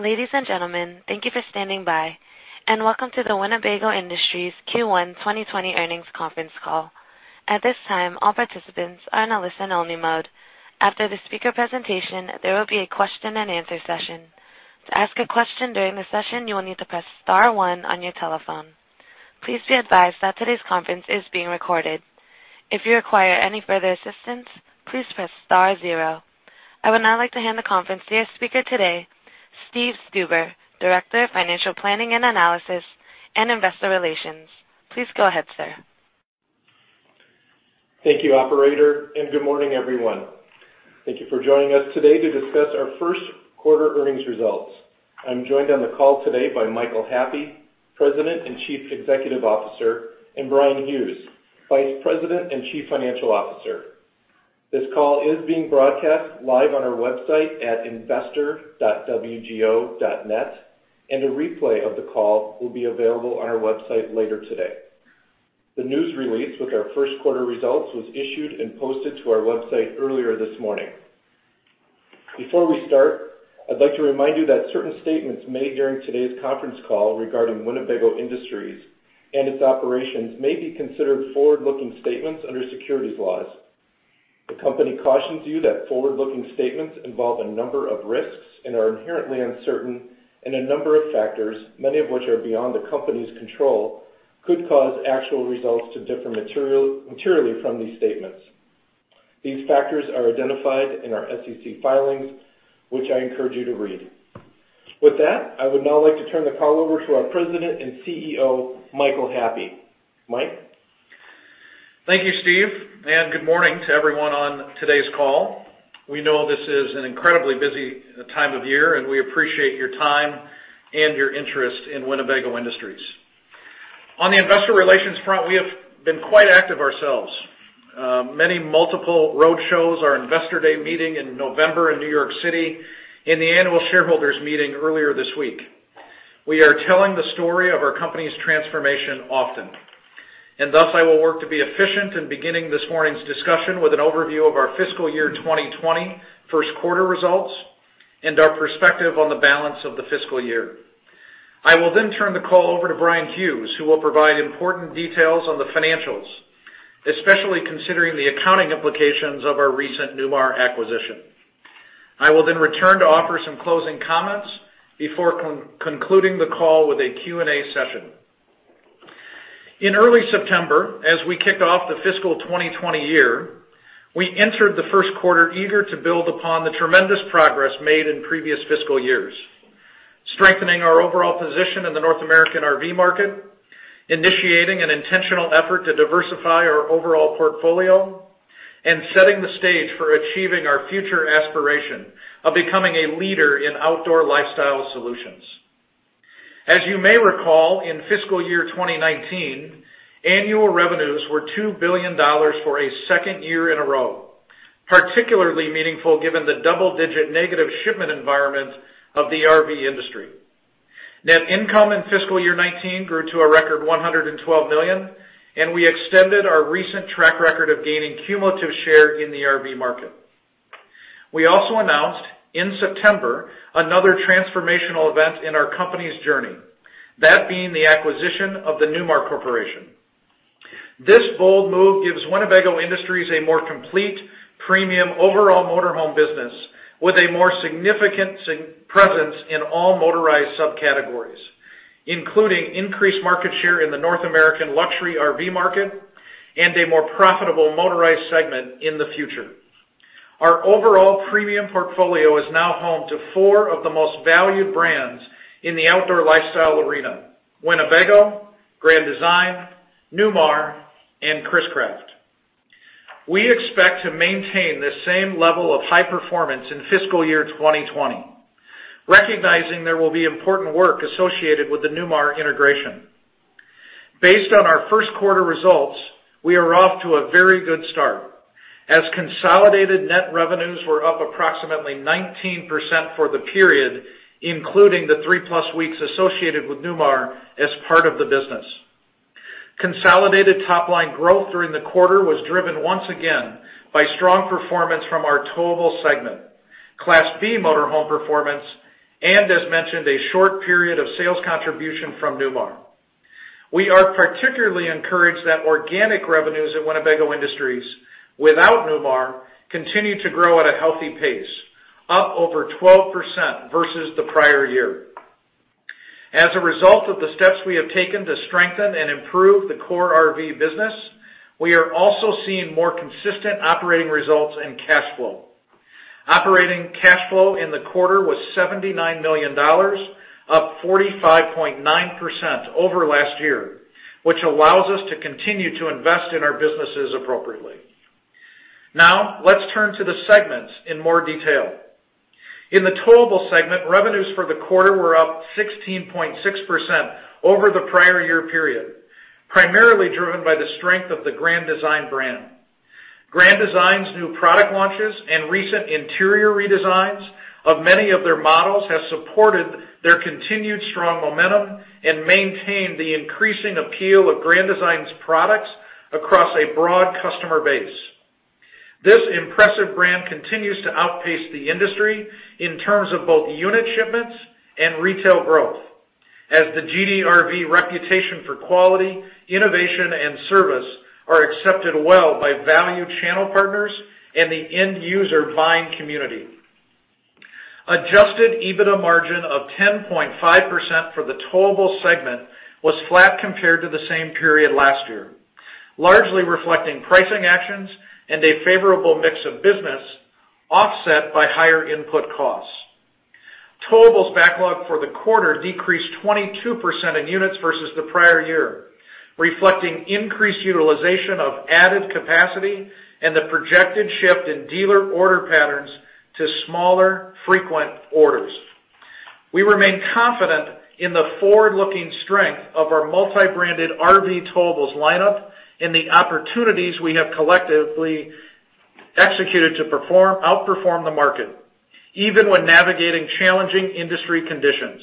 Ladies and gentlemen, thank you for standing by, and welcome to the Winnebago Industries Q1 2020 earnings conference call. At this time, all participants are in a listen-only mode. After the speaker presentation, there will be a question-and-answer session. To ask a question during the session, you will need to press star-one on your telephone. Please be advised that today's conference is being recorded. If you require any further assistance, please press star-zero. I would now like to hand the conference to your speaker today, Steven Stuber, Director of Financial Planning and Analysis and Investor Relations. Please go ahead, sir. Thank you, Operator, and good morning, everyone. Thank you for joining us today to discuss our first quarter earnings results. I'm joined on the call today by Michael Happe, President and Chief Executive Officer, and Bryan Hughes, Vice President and Chief Financial Officer. This call is being broadcast live on our website at investor.wgo.net, and a replay of the call will be available on our website later today. The news release with our first quarter results was issued and posted to our website earlier this morning. Before we start, I'd like to remind you that certain statements made during today's conference call regarding Winnebago Industries and its operations may be considered forward-looking statements under securities laws. The company cautions you that forward-looking statements involve a number of risks and are inherently uncertain, and a number of factors, many of which are beyond the company's control, could cause actual results to differ materially from these statements. These factors are identified in our SEC filings, which I encourage you to read. With that, I would now like to turn the call over to our President and CEO, Michael Happe. Michael. Thank you, Steven, and good morning to everyone on today's call. We know this is an incredibly busy time of year, and we appreciate your time and your interest in Winnebago Industries. On the investor relations front, we have been quite active ourselves. Many multiple roadshows, our Investor Day meeting in November in New York City, and the Annual Shareholders Meeting earlier this week. We are telling the story of our company's transformation often, and thus I will work to be efficient in beginning this morning's discussion with an overview of our fiscal year 2020 first quarter results and our perspective on the balance of the fiscal year. I will then turn the call over to Bryan Hughes, who will provide important details on the financials, especially considering the accounting implications of our recent Newmar acquisition. I will then return to offer some closing comments before concluding the call with a Q&A session. In early September, as we kicked off the fiscal 2020 year, we entered the first quarter eager to build upon the tremendous progress made in previous fiscal years, strengthening our overall position in the North American RV market, initiating an intentional effort to diversify our overall portfolio, and setting the stage for achieving our future aspiration of becoming a leader in outdoor-lifestyle solutions. As you may recall, in fiscal year 2019, annual revenues were $2 billion for a second year in a row, particularly meaningful given the double-digit-negative shipment environment of the RV industry. Net income in fiscal year 2019 grew to a record $112 million, and we extended our recent track record of gaining cumulative share in the RV market. We also announced in September another transformational event in our company's journey, that being the acquisition of the Newmar Corporation. This bold move gives Winnebago Industries a more complete, premium overall motorhome business with a more significant presence in all motorized sub-categories, including increased market share in the North American luxury RV market and a more profitable motorized segment in the future. Our overall premium portfolio is now home to four of the most valued brands in the outdoor-lifestyle arena: Winnebago, Grand Design, Newmar, and Chris-Craft. We expect to maintain the same level of high performance in fiscal year 2020, recognizing there will be important work associated with the Newmar integration. Based on our first quarter results, we are off to a very good start, as consolidated net revenues were up approximately 19% for the period, including the three-plus weeks associated with Newmar as part of the business. Consolidated top-line growth during the quarter was driven once again by strong performance from our Towable Segment, Class B motorhome performance, and, as mentioned, a short period of sales contribution from Newmar. We are particularly encouraged that organic revenues at Winnebago Industries, without Newmar, continue to grow at a healthy pace, up over 12% versus the prior year. As a result of the steps we have taken to strengthen and improve the core RV business, we are also seeing more consistent operating results and cash flow. Operating cash flow in the quarter was $79 million, up 45.9% over last year, which allows us to continue to invest in our businesses appropriately. Now, let's turn to the segments in more detail. In the Towable Segment, revenues for the quarter were up 16.6% over the prior year period, primarily driven by the strength of the Grand Design brand. Grand Design's new-product launches and recent interior redesigns of many of their models have supported their continued strong momentum and maintained the increasing appeal of Grand Design products across a broad customer base. This impressive brand continues to outpace the industry in terms of both unit shipments and retail growth, as the GDRV reputation for quality, innovation, and service are accepted well by value-channel partners and the end-user buying community. Adjusted EBITDA margin of 10.5% for the Towable Segment was flat compared to the same period last year, largely reflecting pricing actions and a favorable mix of business offset by higher input costs. Towables backlog for the quarter decreased 22% in units versus the prior year, reflecting increased utilization of added capacity and the projected shift in dealer-order patterns to smaller, frequent orders. We remain confident in the forward-looking strength of our multi-branded RV towables lineup and the opportunities we have collectively executed to outperform the market, even when navigating challenging industry conditions.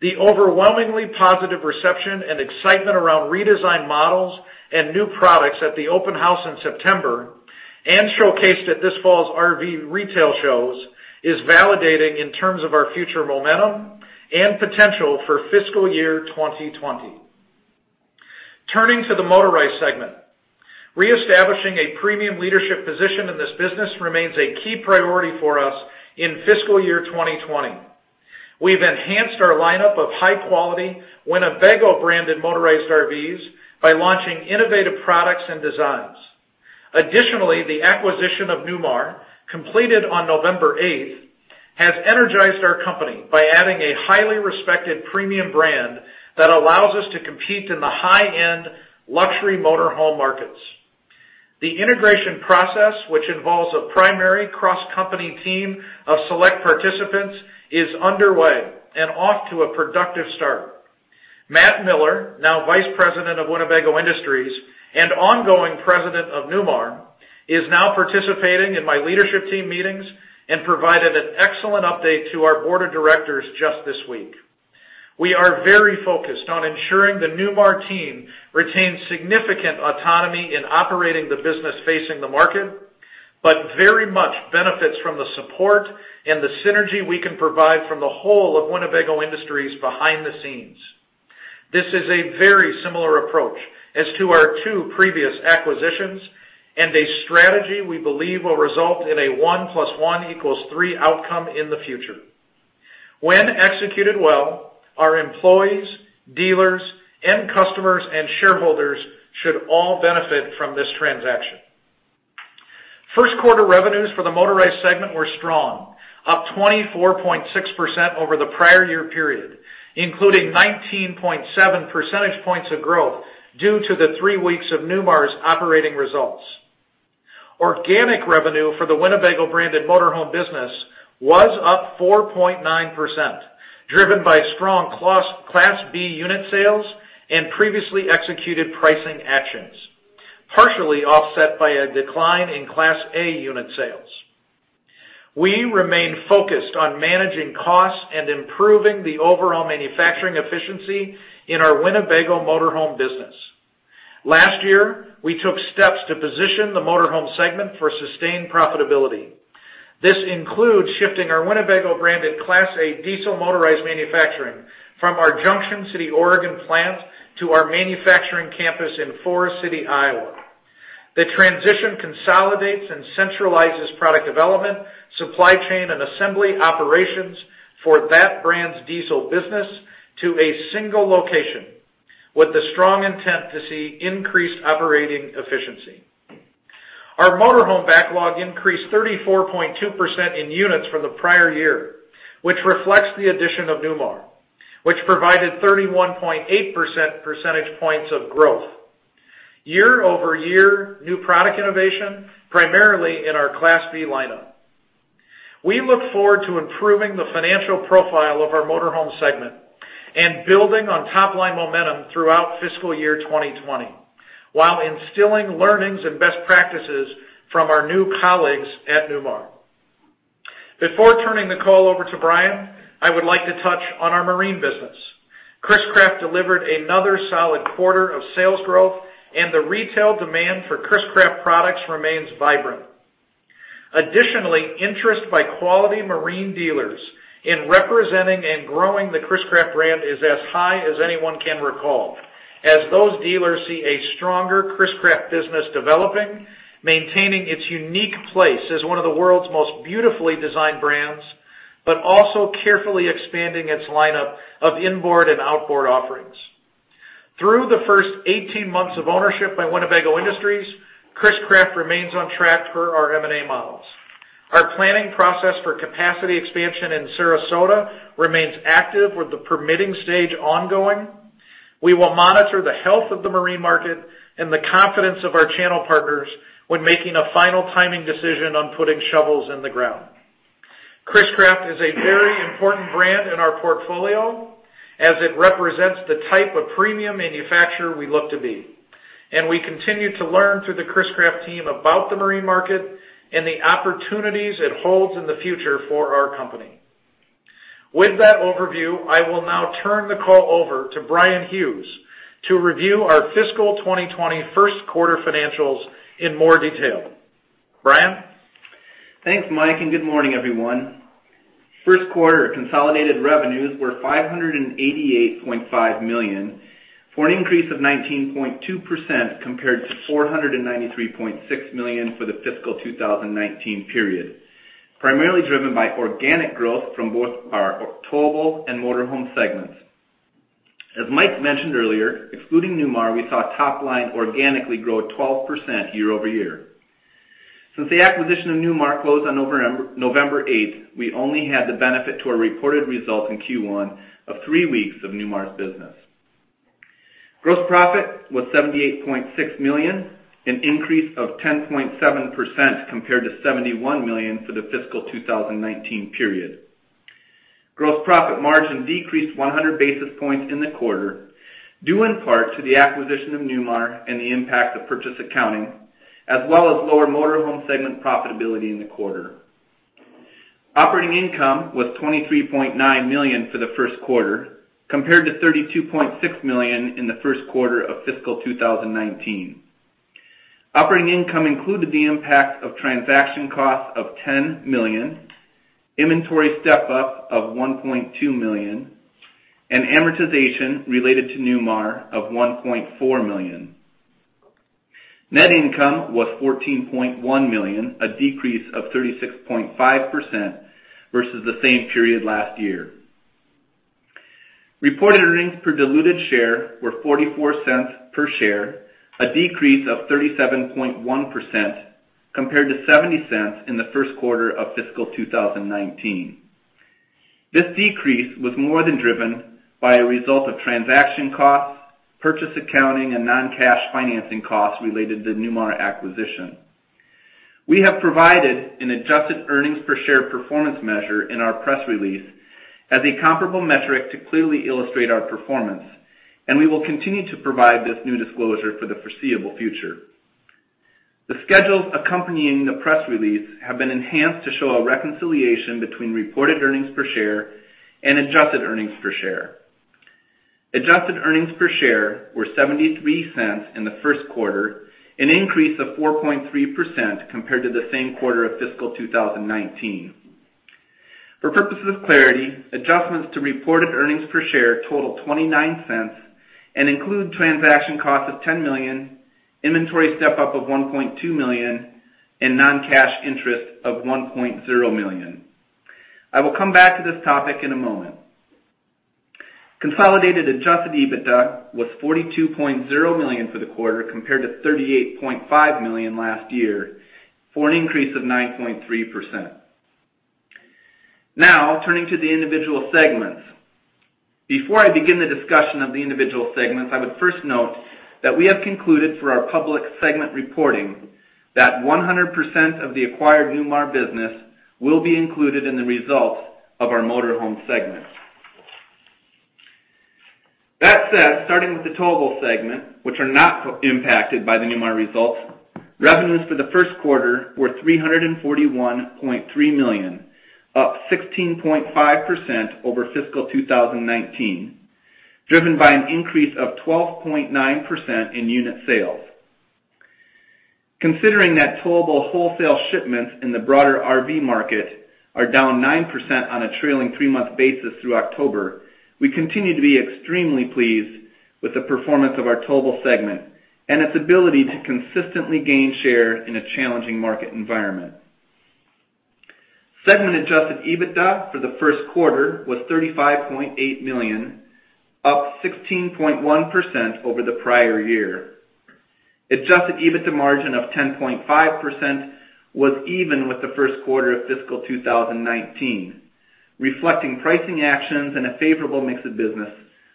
The overwhelmingly positive reception and excitement around redesigned models and new products at the Open House in September and showcased at this fall's RV retail shows is validating in terms of our future momentum and potential for fiscal year 2020. Turning to the motorized segment, reestablishing a premium leadership position in this business remains a key priority for us in fiscal year 2020. We've enhanced our lineup of high-quality Winnebago-branded motorized RVs by launching innovative products and designs. Additionally, the acquisition of Newmar, completed on November 8th, has energized our company by adding a highly respected premium brand that allows us to compete in the high-end luxury motorhome markets. The integration process, which involves a primary cross-company team of select participants, is underway and off to a productive start. Matt Miller, now Vice President of Winnebago Industries and ongoing President of Newmar, is now participating in my leadership team meetings and provided an excellent update to our board of directors just this week. We are very focused on ensuring the Newmar team retains significant autonomy in operating the business facing the market, but very much benefits from the support and the synergy we can provide from the whole of Winnebago Industries behind the scenes. This is a very similar approach as to our two previous acquisitions and a strategy we believe will result in a one plus one equals three outcome in the future. When executed well, our employees, dealers, customers, and shareholders should all benefit from this transaction. First quarter revenues for the motorized segment were strong, up 24.6% over the prior year period, including 19.7 percentage points of growth due to the three weeks of Newmar's operating results. Organic revenue for the Winnebago-branded motorhome business was up 4.9%, driven by strong Class B unit sales and previously executed pricing actions, partially offset by a decline in Class A unit sales. We remain focused on managing costs and improving the overall manufacturing efficiency in our Winnebago motorhome business. Last year, we took steps to position the Motorhome Segment for sustained profitability. This includes shifting our Winnebago-branded Class A diesel motorized manufacturing from our Junction City, Oregon, plant to our manufacturing campus in Forest City, Iowa. The transition consolidates and centralizes product development, supply chain, and assembly operations for that brand's diesel business to a single location, with the strong intent to see increased operating efficiency. Our motorhome backlog increased 34.2% in units from the prior year, which reflects the addition of Newmar, which provided 31.8 percentage points of growth. Year over year, new product innovation, primarily in our Class B lineup. We look forward to improving the financial profile of our Motorhome Segment and building on top-line momentum throughout fiscal year 2020, while instilling learnings and best practices from our new colleagues at Newmar. Before turning the call over to Bryan, I would like to touch on our marine business. Chris-Craft delivered another solid quarter of sales growth, and the retail demand for Chris-Craft products remains vibrant. Additionally, interest by quality marine dealers in representing and growing the Chris-Craft brand is as high as anyone can recall, as those dealers see a stronger Chris-Craft business developing, maintaining its unique place as one of the world's most beautifully designed brands, but also carefully expanding its lineup of inboard and outboard offerings. Through the first 18 months of ownership by Winnebago Industries, Chris-Craft remains on track per our M&A models. Our planning process for capacity expansion in Sarasota remains active with the permitting stage ongoing. We will monitor the health of the marine market and the confidence of our channel partners when making a final timing decision on putting shovels in the ground. Chris-Craft is a very important brand in our portfolio, as it represents the type of premium manufacturer we look to be, and we continue to learn through the Chris-Craft team about the marine market and the opportunities it holds in the future for our company. With that overview, I will now turn the call over to Bryan Hughes to review our fiscal 2020 first quarter financials in more detail. Bryan? Thanks, Michael, and good morning, everyone. First quarter consolidated revenues were $588.5 million for an increase of 19.2% compared to $493.6 million for the fiscal 2019 period, primarily driven by organic growth from both our Towable and Motorhome Segments. As Michael mentioned earlier, excluding Newmar, we saw top-line organically grow 12% year over year. Since the acquisition of Newmar closed on November 8th, we only had the benefit to our reported result in Q1 of three weeks of Newmar's business. Gross profit was $78.6 million, an increase of 10.7% compared to $71 million for the fiscal 2019 period. Gross profit margin decreased 100 basis points in the quarter, due in part to the acquisition of Newmar and the impact of purchase accounting, as well as lower Motorhome Segment profitability in the quarter. Operating income was $23.9 million for the first quarter compared to $32.6 million in the first quarter of fiscal 2019. Operating income included the impact of transaction costs of $10 million, inventory step-up of $1.2 million, and amortization related to Newmar of $1.4 million. Net income was $14.1 million, a decrease of 36.5% versus the same period last year. Reported earnings per diluted share were $0.44 per share, a decrease of 37.1% compared to $0.70 in the first quarter of fiscal 2019. This decrease was more than driven by a result of transaction costs, purchase accounting, and non-cash financing costs related to Newmar acquisition. We have provided an adjusted earnings per share performance measure in our press release as a comparable metric to clearly illustrate our performance, and we will continue to provide this new disclosure for the foreseeable future. The schedules accompanying the press release have been enhanced to show a reconciliation between reported earnings per share and adjusted earnings per share. Adjusted earnings per share were $0.73 in the first quarter, an increase of 4.3% compared to the same quarter of fiscal 2019. For purposes of clarity, adjustments to reported earnings per share total $0.29 and include transaction costs of $10 million, inventory step-up of $1.2 million, and non-cash interest of $1.0 million. I will come back to this topic in a moment. Consolidated Adjusted EBITDA was $42.0 million for the quarter compared to $38.5 million last year for an increase of 9.3%. Now, turning to the individual segments. Before I begin the discussion of the individual segments, I would first note that we have concluded for our public segment reporting that 100% of the acquired Newmar business will be included in the results of our Motorhome Segment. That said, starting with the Towable Segment, which are not impacted by the Newmar results, revenues for the first quarter were $341.3 million, up 16.5% over fiscal 2019, driven by an increase of 12.9% in unit sales. Considering that towable wholesale shipments in the broader RV market are down 9% on a trailing three-month basis through October, we continue to be extremely pleased with the performance of our Towable Segment and its ability to consistently gain share in a challenging market environment. Segment Adjusted EBITDA for the first quarter was $35.8 million, up 16.1% over the prior year. Adjusted EBITDA margin of 10.5% was even with the first quarter of fiscal 2019, reflecting pricing actions and a favorable mix of business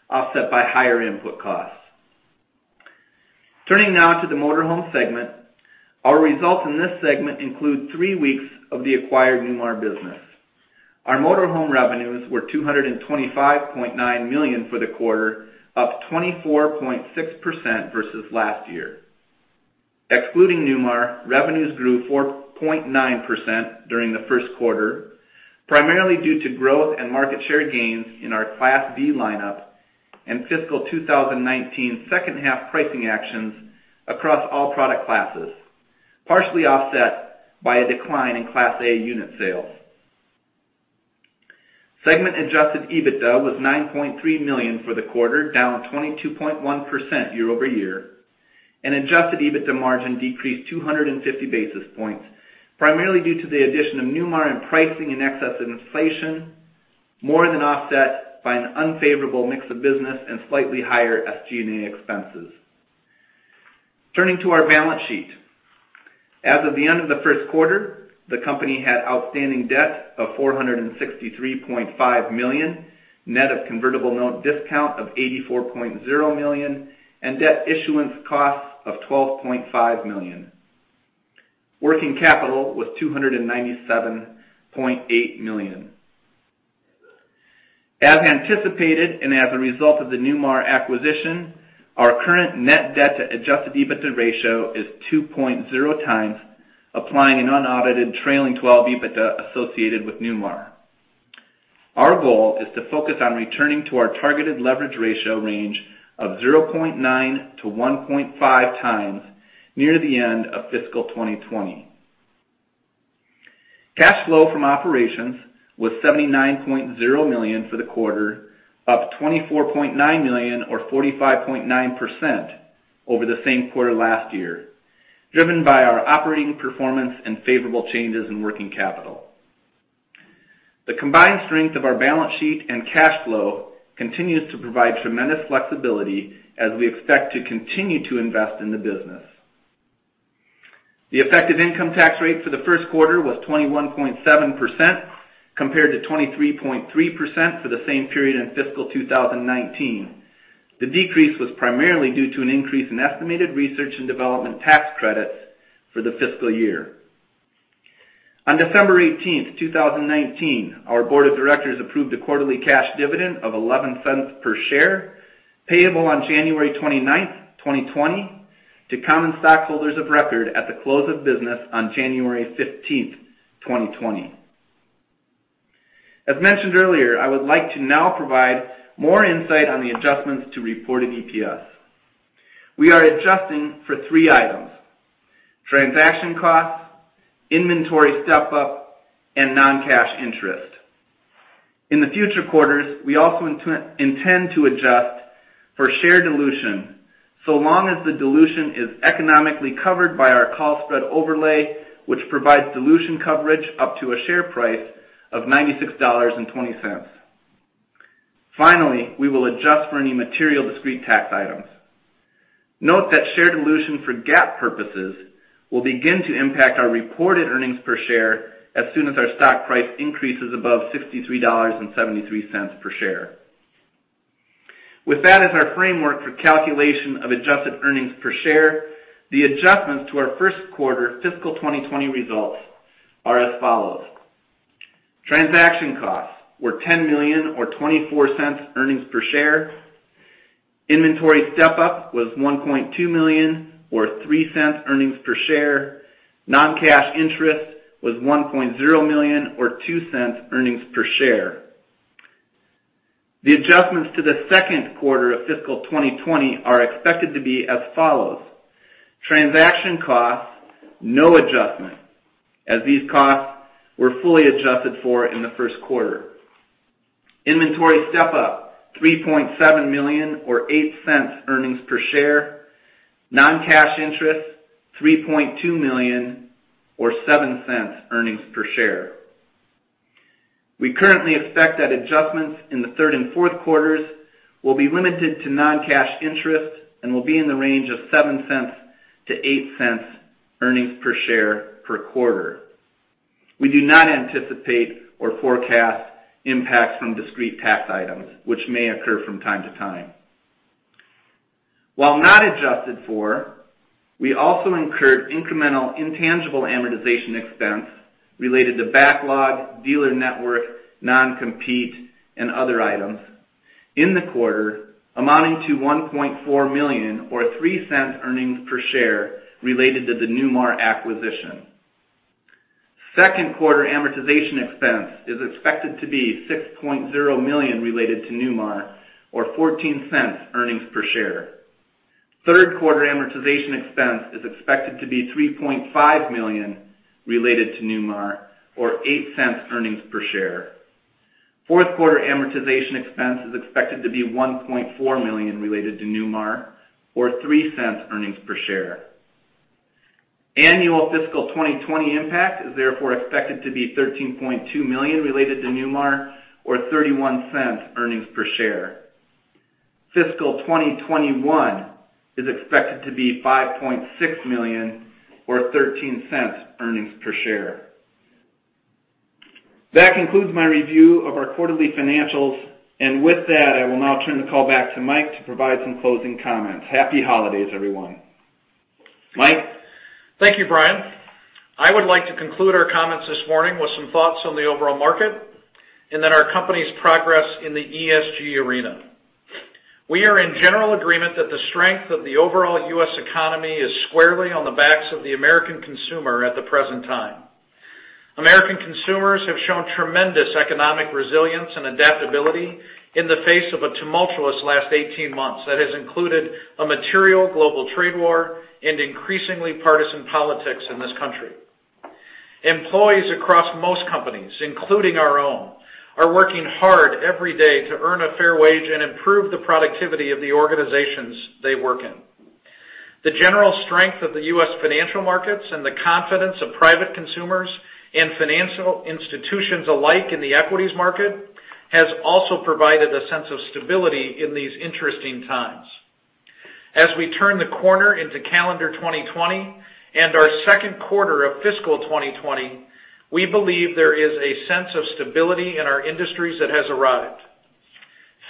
offset by higher input costs. Turning now to the Motorhome Segment, our results in this segment include three weeks of the acquired Newmar business. Our motorhome revenues were $225.9 million for the quarter, up 24.6% versus last year. Excluding Newmar, revenues grew 4.9% during the first quarter, primarily due to growth and market share gains in our Class B lineup and fiscal 2019 second-half pricing actions across all product classes, partially offset by a decline in Class A unit sales. Segment Adjusted EBITDA was $9.3 million for the quarter, down 22.1% year over year. An Adjusted EBITDA margin decreased 250 basis points, primarily due to the addition of Newmar and pricing in excess of inflation, more than offset by an unfavorable mix of business and slightly higher SG&A expenses. Turning to our balance sheet. As of the end of the first quarter, the company had outstanding debt of $463.5 million, net of convertible note discount of $84.0 million, and debt issuance costs of $12.5 million. Working capital was $297.8 million. As anticipated and as a result of the Newmar acquisition, our current net debt to Adjusted EBITDA ratio is 2.0 times applying an unaudited trailing 12 EBITDA associated with Newmar. Our goal is to focus on returning to our targeted leverage ratio range of 0.9 to 1.5 times near the end of fiscal 2020. Cash flow from operations was $79.0 million for the quarter, up $24.9 million or 45.9% over the same quarter last year, driven by our operating performance and favorable changes in working capital. The combined strength of our balance sheet and cash flow continues to provide tremendous flexibility as we expect to continue to invest in the business. The effective income tax rate for the first quarter was 21.7% compared to 23.3% for the same period in fiscal 2019. The decrease was primarily due to an increase in estimated research and development tax credits for the fiscal year. On December 18th, 2019, our board of directors approved a quarterly cash dividend of $0.11 per share, payable on January 29th, 2020, to common stockholders of record at the close of business on January 15th, 2020. As mentioned earlier, I would like to now provide more insight on the adjustments to reported EPS. We are adjusting for three items: transaction costs, inventory step-up, and non-cash interest. In the future quarters, we also intend to adjust for share dilution so long as the dilution is economically covered by our call spread overlay, which provides dilution coverage up to a share price of $96.20. Finally, we will adjust for any material discrete tax items. Note that share dilution for GAAP purposes will begin to impact our reported earnings per share as soon as our stock price increases above $63.73 per share. With that as our framework for calculation of adjusted earnings per share, the adjustments to our first quarter fiscal 2020 results are as follows. Transaction costs were $10.00 or $0.24 earnings per share. Inventory step-up was $1.2 million or $0.03 earnings per share. Non-cash interest was $1.00 million or $0.02 earnings per share. The adjustments to the second quarter of fiscal 2020 are expected to be as follows. Transaction costs, no adjustment, as these costs were fully adjusted for in the first quarter. Inventory step-up, $3.7 million or $0.08 earnings per share. Non-cash interest, $3.2 million or $0.07 earnings per share. We currently expect that adjustments in the third and fourth quarters will be limited to non-cash interest and will be in the range of 7 cents to 8 cents earnings per share per quarter. We do not anticipate or forecast impacts from discrete tax items, which may occur from time to time. While not adjusted for, we also incurred incremental intangible amortization expense related to backlog, dealer network, non-compete, and other items in the quarter amounting to $1.4 million or 3 cents earnings per share related to the Newmar acquisition. Second quarter amortization expense is expected to be $6.0 million related to Newmar or 14 cents earnings per share. Third quarter amortization expense is expected to be $3.5 million related to Newmar or 8 cents earnings per share. Fourth quarter amortization expense is expected to be $1.4 million related to Newmar or 3 cents earnings per share. Annual fiscal 2020 impact is therefore expected to be $13.2 million related to Newmar or $0.31 earnings per share. Fiscal 2021 is expected to be $5.6 million or $0.13 earnings per share. That concludes my review of our quarterly financials, and with that, I will now turn the call back to Michael to provide some closing comments. Happy holidays, everyone. Michael. Thank you, Bryan. I would like to conclude our comments this morning with some thoughts on the overall market and then our company's progress in the ESG arena. We are in general agreement that the strength of the overall U.S. economy is squarely on the backs of the American consumer at the present time. American consumers have shown tremendous economic resilience and adaptability in the face of a tumultuous last 18 months that has included a material global trade war and increasingly partisan politics in this country. Employees across most companies, including our own, are working hard every day to earn a fair wage and improve the productivity of the organizations they work in. The general strength of the U.S. financial markets and the confidence of private consumers and financial institutions alike in the equities market has also provided a sense of stability in these interesting times. As we turn the corner into calendar 2020 and our second quarter of fiscal 2020, we believe there is a sense of stability in our industries that has arrived.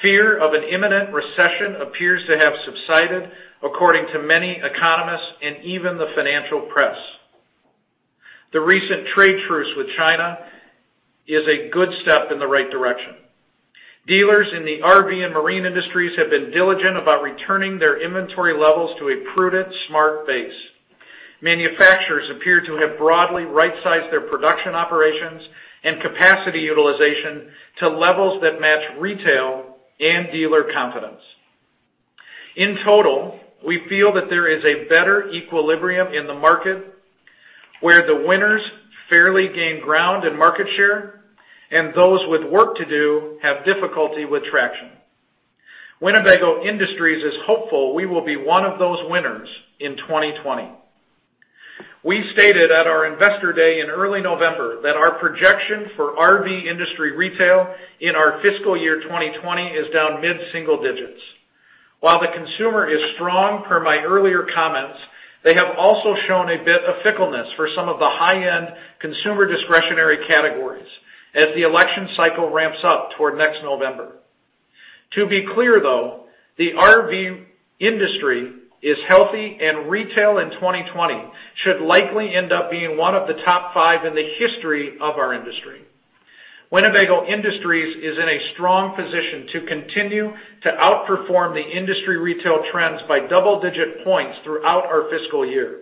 Fear of an imminent recession appears to have subsided, according to many economists and even the financial press. The recent trade truce with China is a good step in the right direction. Dealers in the RV and marine industries have been diligent about returning their inventory levels to a prudent, smart base. Manufacturers appear to have broadly right-sized their production operations and capacity utilization to levels that match retail and dealer confidence. In total, we feel that there is a better equilibrium in the market where the winners fairly gain ground in market share and those with work to do have difficulty with traction. Winnebago Industries is hopeful we will be one of those winners in 2020. We stated at our Investor Day in early November that our projection for RV industry retail in our fiscal year 2020 is down mid-single digits. While the consumer is strong per my earlier comments, they have also shown a bit of fickleness for some of the high-end consumer discretionary categories as the election cycle ramps up toward next November. To be clear, though, the RV industry is healthy and retail in 2020 should likely end up being one of the top five in the history of our industry. Winnebago Industries is in a strong position to continue to outperform the industry retail trends by double-digit points throughout our fiscal year.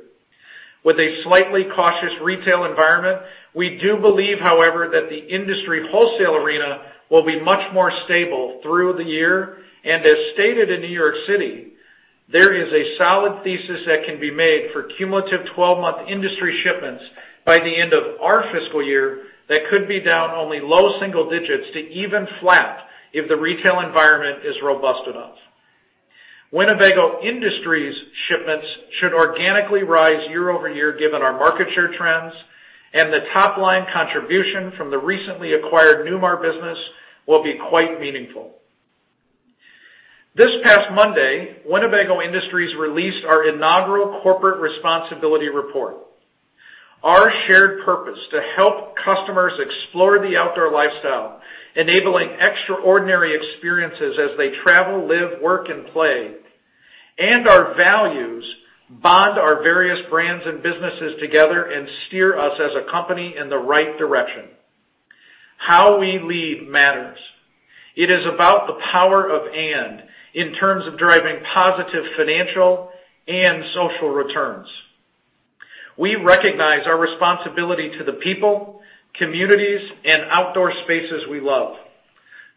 With a slightly cautious retail environment, we do believe, however, that the industry wholesale arena will be much more stable through the year, and as stated in New York City, there is a solid thesis that can be made for cumulative 12-month industry shipments by the end of our fiscal year that could be down only low single digits to even flat if the retail environment is robust enough. Winnebago Industries' shipments should organically rise year over year given our market share trends, and the top-line contribution from the recently acquired Newmar business will be quite meaningful. This past Monday, Winnebago Industries released our inaugural Corporate Responsibility Report. Our shared purpose to help customers explore the outdoor lifestyle, enabling extraordinary experiences as they travel, live, work, and play, and our values bond our various brands and businesses together and steer us as a company in the right direction. How we lead matters. It is about the power of and in terms of driving positive financial and social returns. We recognize our responsibility to the people, communities, and outdoor spaces we love.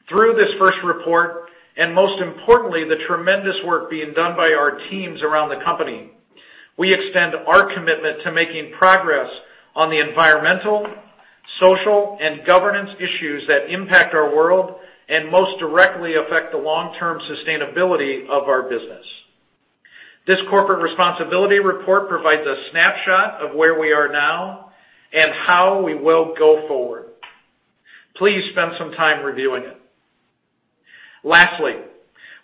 Through this first report and, most importantly, the tremendous work being done by our teams around the company, we extend our commitment to making progress on the environmental, social, and governance issues that impact our world and most directly affect the long-term sustainability of our business. This Corporate Responsibility Report provides a snapshot of where we are now and how we will go forward. Please spend some time reviewing it. Lastly,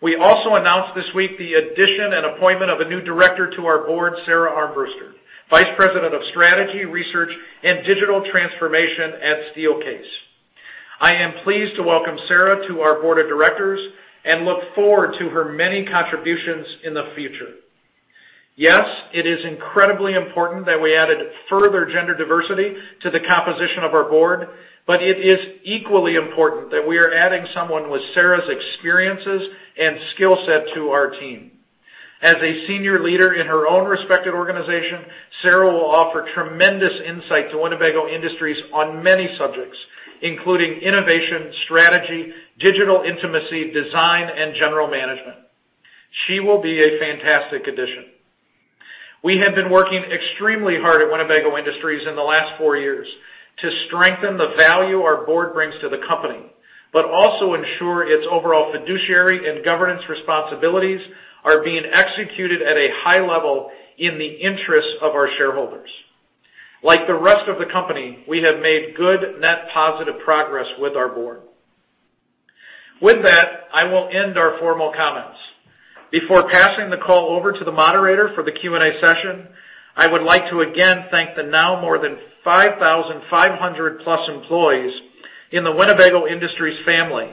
we also announced this week the addition and appointment of a new director to our board, Sara Armbruster, Vice President of Strategy, Research, and Digital Transformation at Steelcase. I am pleased to welcome Sara to our board of directors and look forward to her many contributions in the future. Yes, it is incredibly important that we added further gender diversity to the composition of our board, but it is equally important that we are adding someone with Sara's experiences and skill set to our team. As a senior leader in her own respected organization, Sara will offer tremendous insight to Winnebago Industries on many subjects, including innovation, strategy, digital transformation, design, and general management. She will be a fantastic addition. We have been working extremely hard at Winnebago Industries in the last four years to strengthen the value our board brings to the company, but also ensure its overall fiduciary and governance responsibilities are being executed at a high level in the interests of our shareholders. Like the rest of the company, we have made good net positive progress with our board. With that, I will end our formal comments. Before passing the call over to the moderator for the Q&A session, I would like to again thank the now more than 5,500-plus employees in the Winnebago Industries family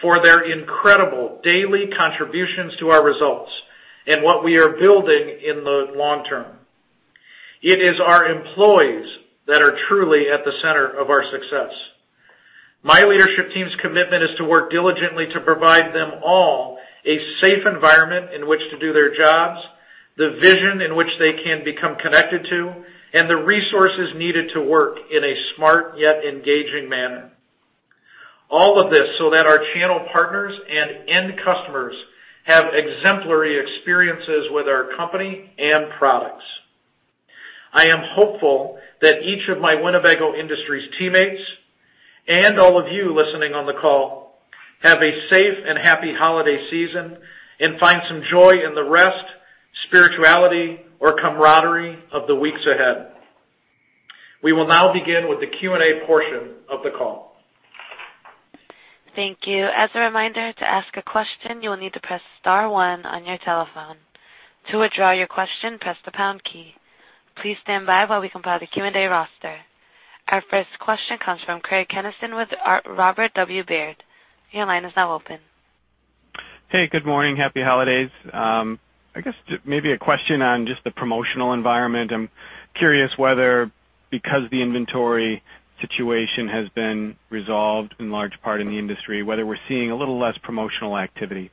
for their incredible daily contributions to our results and what we are building in the long term. It is our employees that are truly at the center of our success. My leadership team's commitment is to work diligently to provide them all a safe environment in which to do their jobs, the vision in which they can become connected to, and the resources needed to work in a smart yet engaging manner. All of this so that our channel partners and end customers have exemplary experiences with our company and products. I am hopeful that each of my Winnebago Industries teammates and all of you listening on the call have a safe and happy holiday season and find some joy in the rest, spirituality, or camaraderie of the weeks ahead. We will now begin with the Q&A portion of the call. Thank you. As a reminder, to ask a question, you will need to press star one on your telephone. To withdraw your question, press the pound key. Please stand by while we compile the Q&A roster. Our first question comes from Craig Kennison with Robert W. Baird. Your line is now open. Hey, good morning. Happy holidays. I guess maybe a question on just the promotional environment. I'm curious whether, because the inventory situation has been resolved in large part in the industry, whether we're seeing a little less promotional activity?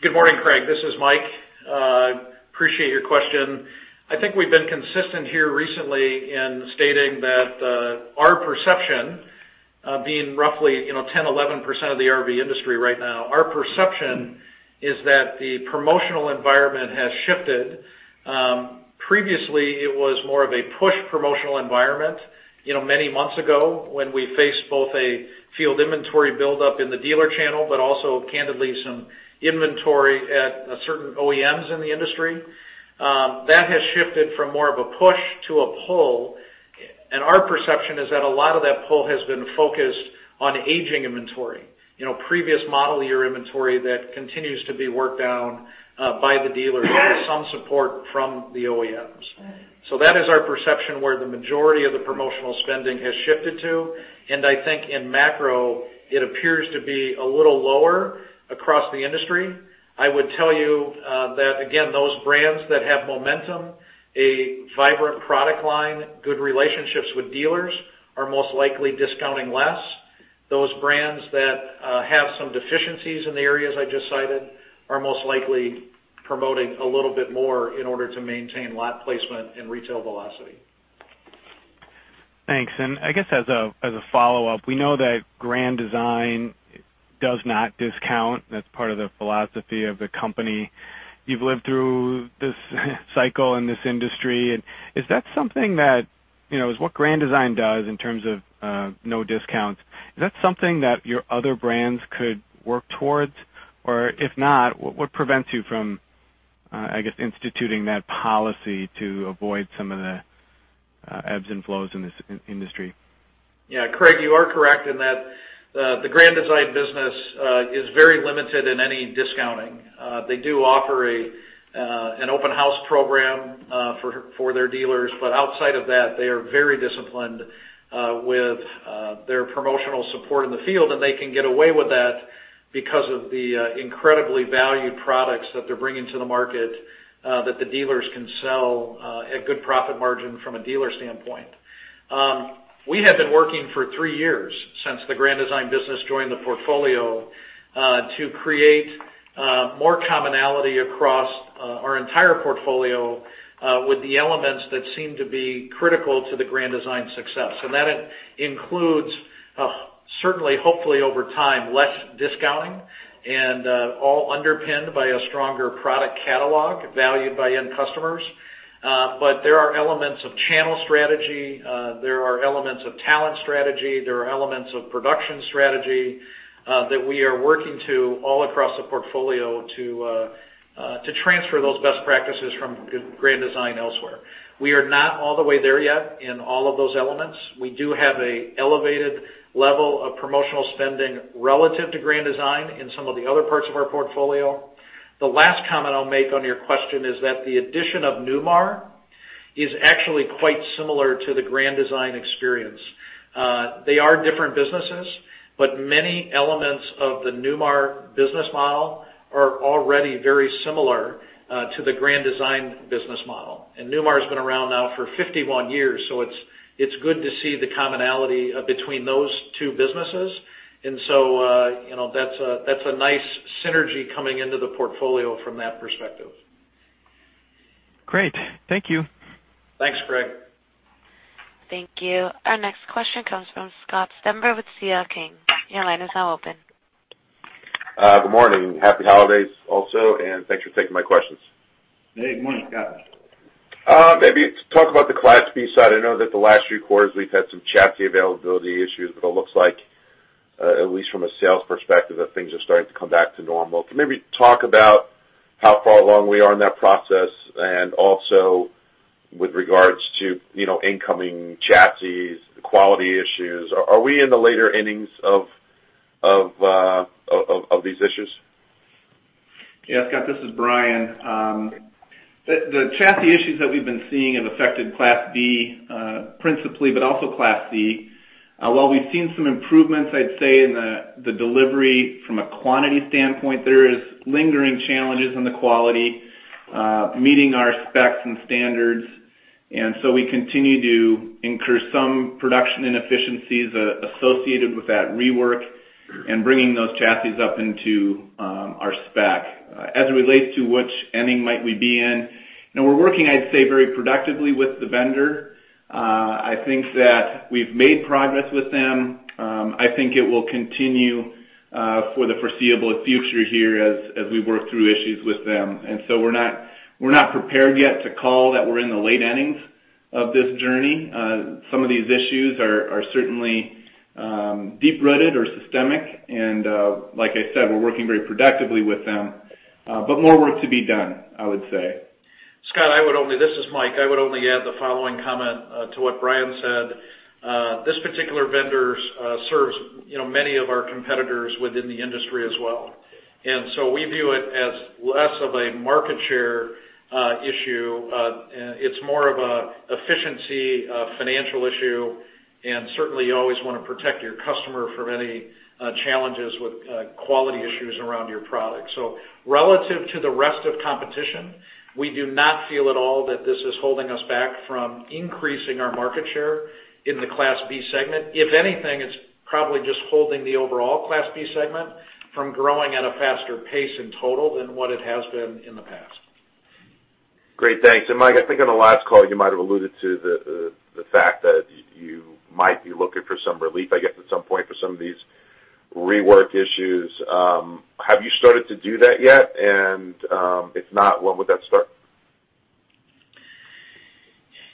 Good morning, Craig. This is Michael. Appreciate your question. I think we've been consistent here recently in stating that our perception, being roughly 10%-11% of the RV industry right now, our perception is that the promotional environment has shifted. Previously, it was more of a push promotional environment many months ago when we faced both a field inventory buildup in the dealer channel, but also, candidly, some inventory at certain OEMs in the industry. That has shifted from more of a push to a pull, and our perception is that a lot of that pull has been focused on aging inventory, previous model year inventory that continues to be worked down by the dealers with some support from the OEMs. So that is our perception where the majority of the promotional spending has shifted to, and I think in macro, it appears to be a little lower across the industry. I would tell you that, again, those brands that have momentum, a vibrant product line, good relationships with dealers are most likely discounting less. Those brands that have some deficiencies in the areas I just cited are most likely promoting a little bit more in order to maintain lot placement and retail velocity. Thanks. And I guess as a follow-up, we know that Grand Design does not discount. That's part of the philosophy of the company. You've lived through this cycle in this industry, and is that something that is what Grand Design does in terms of no discounts. Is that something that your other brands could work towards? Or if not, what prevents you from, I guess, instituting that policy to avoid some of the ebbs and flows in this industry? Yeah, Craig, you are correct in that the Grand Design business is very limited in any discounting. They do offer an Open House program for their dealers, but outside of that, they are very disciplined with their promotional support in the field, and they can get away with that because of the incredibly valued products that they're bringing to the market that the dealers can sell at good profit margin from a dealer standpoint. We have been working for three years since the Grand Design business joined the portfolio to create more commonality across our entire portfolio with the elements that seem to be critical to the Grand Design success. And that includes, certainly, hopefully over time, less discounting and all underpinned by a stronger product catalog valued by end customers. But there are elements of channel strategy. There are elements of talent strategy. There are elements of production strategy that we are working to all across the portfolio to transfer those best practices from Grand Design elsewhere. We are not all the way there yet in all of those elements. We do have an elevated level of promotional spending relative to Grand Design in some of the other parts of our portfolio. The last comment I'll make on your question is that the addition of Newmar is actually quite similar to the Grand Design experience. They are different businesses, but many elements of the Newmar business model are already very similar to the Grand Design business model. And Newmar has been around now for 51 years, so it's good to see the commonality between those two businesses. And so that's a nice synergy coming into the portfolio from that perspective. Great. Thank you. Thanks, Craig. Thank you. Our next question comes from Scott Stember with C.L. King. Your line is now open. Good morning. Happy holidays also, and thanks for taking my questions. Hey, good morning, Scott. Maybe to talk about the Class B side. I know that the last few quarters, we've had some chassis availability issues, but it looks like, at least from a sales perspective, that things are starting to come back to normal. Can maybe talk about how far along we are in that process and also with regards to incoming chassis, quality issues. Are we in the later innings of these issues? Yeah, Scott, this is Bryan. The chassis issues that we've been seeing have affected Class B principally, but also Class C. While we've seen some improvements, I'd say, in the delivery from a quantity standpoint, there are lingering challenges on the quality meeting our specs and standards. And so we continue to incur some production inefficiencies associated with that rework and bringing those chassis up into our spec. As it relates to which inning might we be in, we're working, I'd say, very productively with the vendor. I think that we've made progress with them. I think it will continue for the foreseeable future here as we work through issues with them. And so we're not prepared yet to call that we're in the late innings of this journey. Some of these issues are certainly deep-rooted or systemic, and like I said, we're working very productively with them, but more work to be done, I would say. Scott, this is Michael. I would only add the following comment to what Bryan said. This particular vendor serves many of our competitors within the industry as well, and so we view it as less of a market share issue. It's more of an efficiency financial issue, and certainly, you always want to protect your customer from any challenges with quality issues around your product. So relative to the rest of competition, we do not feel at all that this is holding us back from increasing our market share in the Class B segment. If anything, it's probably just holding the overall Class B segment from growing at a faster pace in total than what it has been in the past. Great. Thanks. And Michael, I think on the last call, you might have alluded to the fact that you might be looking for some relief, I guess, at some point for some of these rework issues. Have you started to do that yet? And if not, when would that start?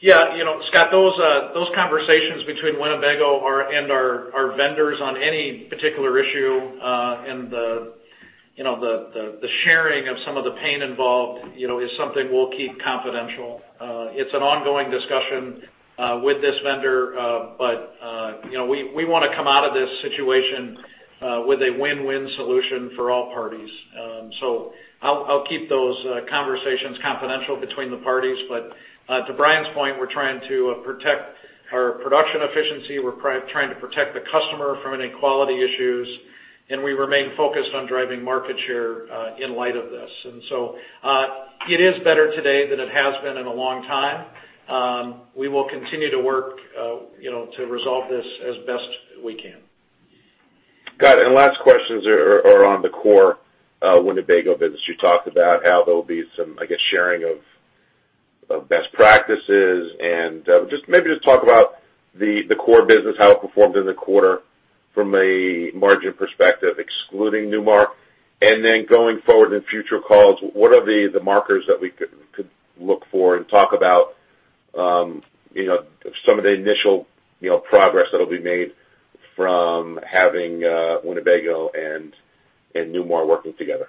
Yeah. Scott, those conversations between Winnebago and our vendors on any particular issue and the sharing of some of the pain involved is something we'll keep confidential. It's an ongoing discussion with this vendor, but we want to come out of this situation with a win-win solution for all parties so I'll keep those conversations confidential between the parties but to Bryan's point, we're trying to protect our production efficiency. We're trying to protect the customer from any quality issues, and we remain focused on driving market share in light of this and so it is better today than it has been in a long time. We will continue to work to resolve this as best we can. Got it. And last questions are on the core Winnebago business. You talked about how there will be some, I guess, sharing of best practices. And maybe just talk about the core business, how it performed in the quarter from a margin perspective, excluding Newmar. And then going forward in future calls, what are the markers that we could look for and talk about some of the initial progress that will be made from having Winnebago and Newmar working together?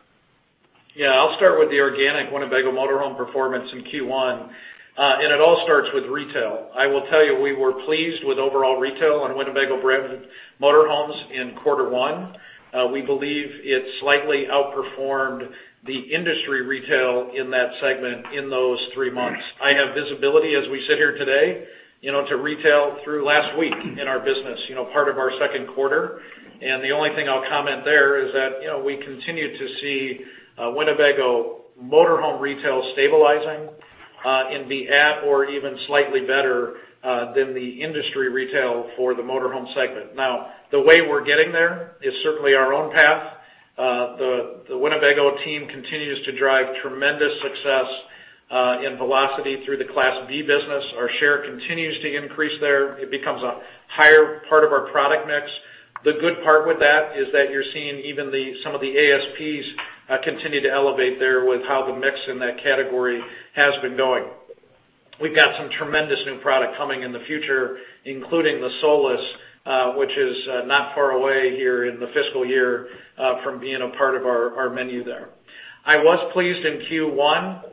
Yeah. I'll start with the organic Winnebago motorhome performance in Q1. And it all starts with retail. I will tell you, we were pleased with overall retail on Winnebago branded motorhomes in quarter one. We believe it slightly outperformed the industry retail in that segment in those three months. I have visibility as we sit here today to retail through last week in our business, part of our second quarter. And the only thing I'll comment there is that we continue to see Winnebago motorhome retail stabilizing and be at or even slightly better than the industry retail for the Motorhome Segment. Now, the way we're getting there is certainly our own path. The Winnebago team continues to drive tremendous success in velocity through the Class B business. Our share continues to increase there. It becomes a higher part of our product mix. The good part with that is that you're seeing even some of the ASPs continue to elevate there with how the mix in that category has been going. We've got some tremendous new product coming in the future, including the Solis, which is not far away here in the fiscal year from being a part of our menu there. I was pleased in Q1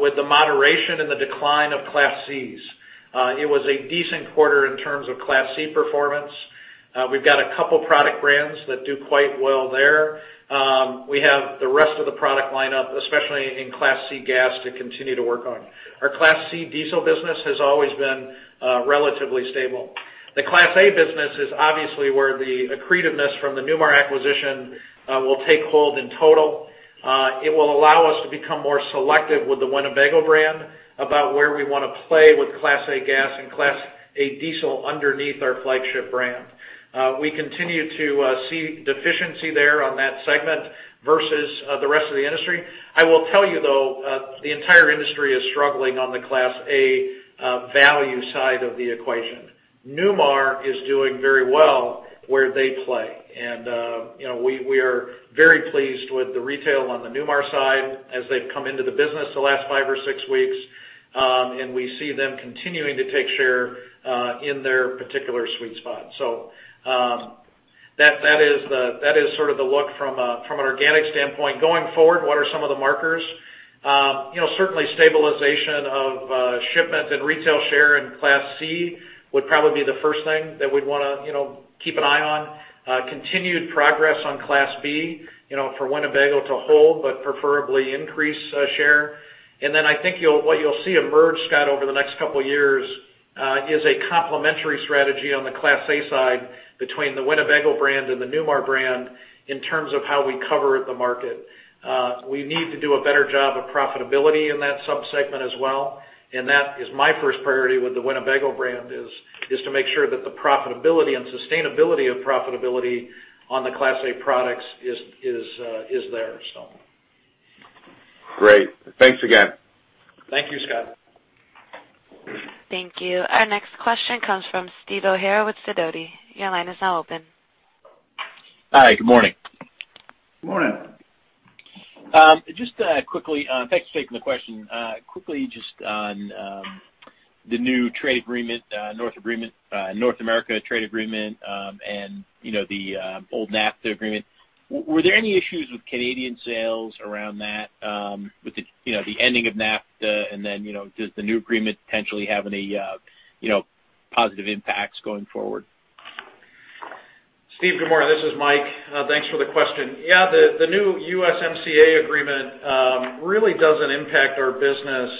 with the moderation and the decline of Class Cs. It was a decent quarter in terms of Class C performance. We've got a couple of product brands that do quite well there. We have the rest of the product lineup, especially in Class C gas, to continue to work on. Our Class C diesel business has always been relatively stable. The Class A business is obviously where the accretiveness from the Newmar acquisition will take hold in total. It will allow us to become more selective with the Winnebago brand about where we want to play with Class A gas and Class A diesel underneath our flagship brand. We continue to see deficiency there on that segment versus the rest of the industry. I will tell you, though, the entire industry is struggling on the Class A value side of the equation. Newmar is doing very well where they play. And we are very pleased with the retail on the Newmar side as they've come into the business the last five or six weeks, and we see them continuing to take share in their particular sweet spot. So that is sort of the look from an organic standpoint. Going forward, what are some of the markers? Certainly, stabilization of shipment and retail share in Class C would probably be the first thing that we'd want to keep an eye on. Continued progress on Class B for Winnebago to hold, but preferably increase share. And then I think what you'll see emerge, Scott, over the next couple of years is a complementary strategy on the Class A side between the Winnebago brand and the Newmar brand in terms of how we cover the market. We need to do a better job of profitability in that subsegment as well. And that is my first priority with the Winnebago brand, is to make sure that the profitability and sustainability of profitability on the Class A products is there, so. Great. Thanks again. Thank you, Scott. Thank you. Our next question comes from Steven O'Hara with Sidoti. Your line is now open. Hi. Good morning. Good morning. Just quickly, thanks for taking the question. Quickly, just on the new trade agreement, North America trade agreement, and the old NAFTA agreement. Were there any issues with Canadian sales around that, with the ending of NAFTA, and then does the new agreement potentially have any positive impacts going forward? good morning, this is Michael. Thanks for the question. Yeah, the new USMCA agreement really doesn't impact our business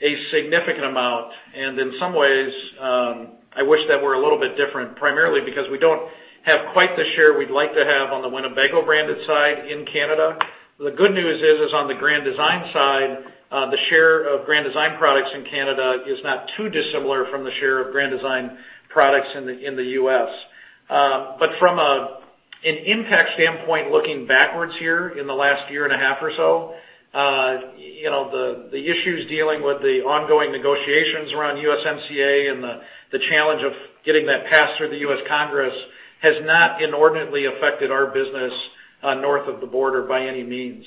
a significant amount. And in some ways, I wish that were a little bit different, primarily because we don't have quite the share we'd like to have on the Winnebago branded side in Canada. The good news is, on the Grand Design side, the share of Grand Design products in Canada is not too dissimilar from the share of Grand Design products in the U.S. But from an impact standpoint, looking backwards here in the last year and a half or so, the issues dealing with the ongoing negotiations around USMCA and the challenge of getting that passed through the U.S. Congress has not inordinately affected our business north of the border by any means.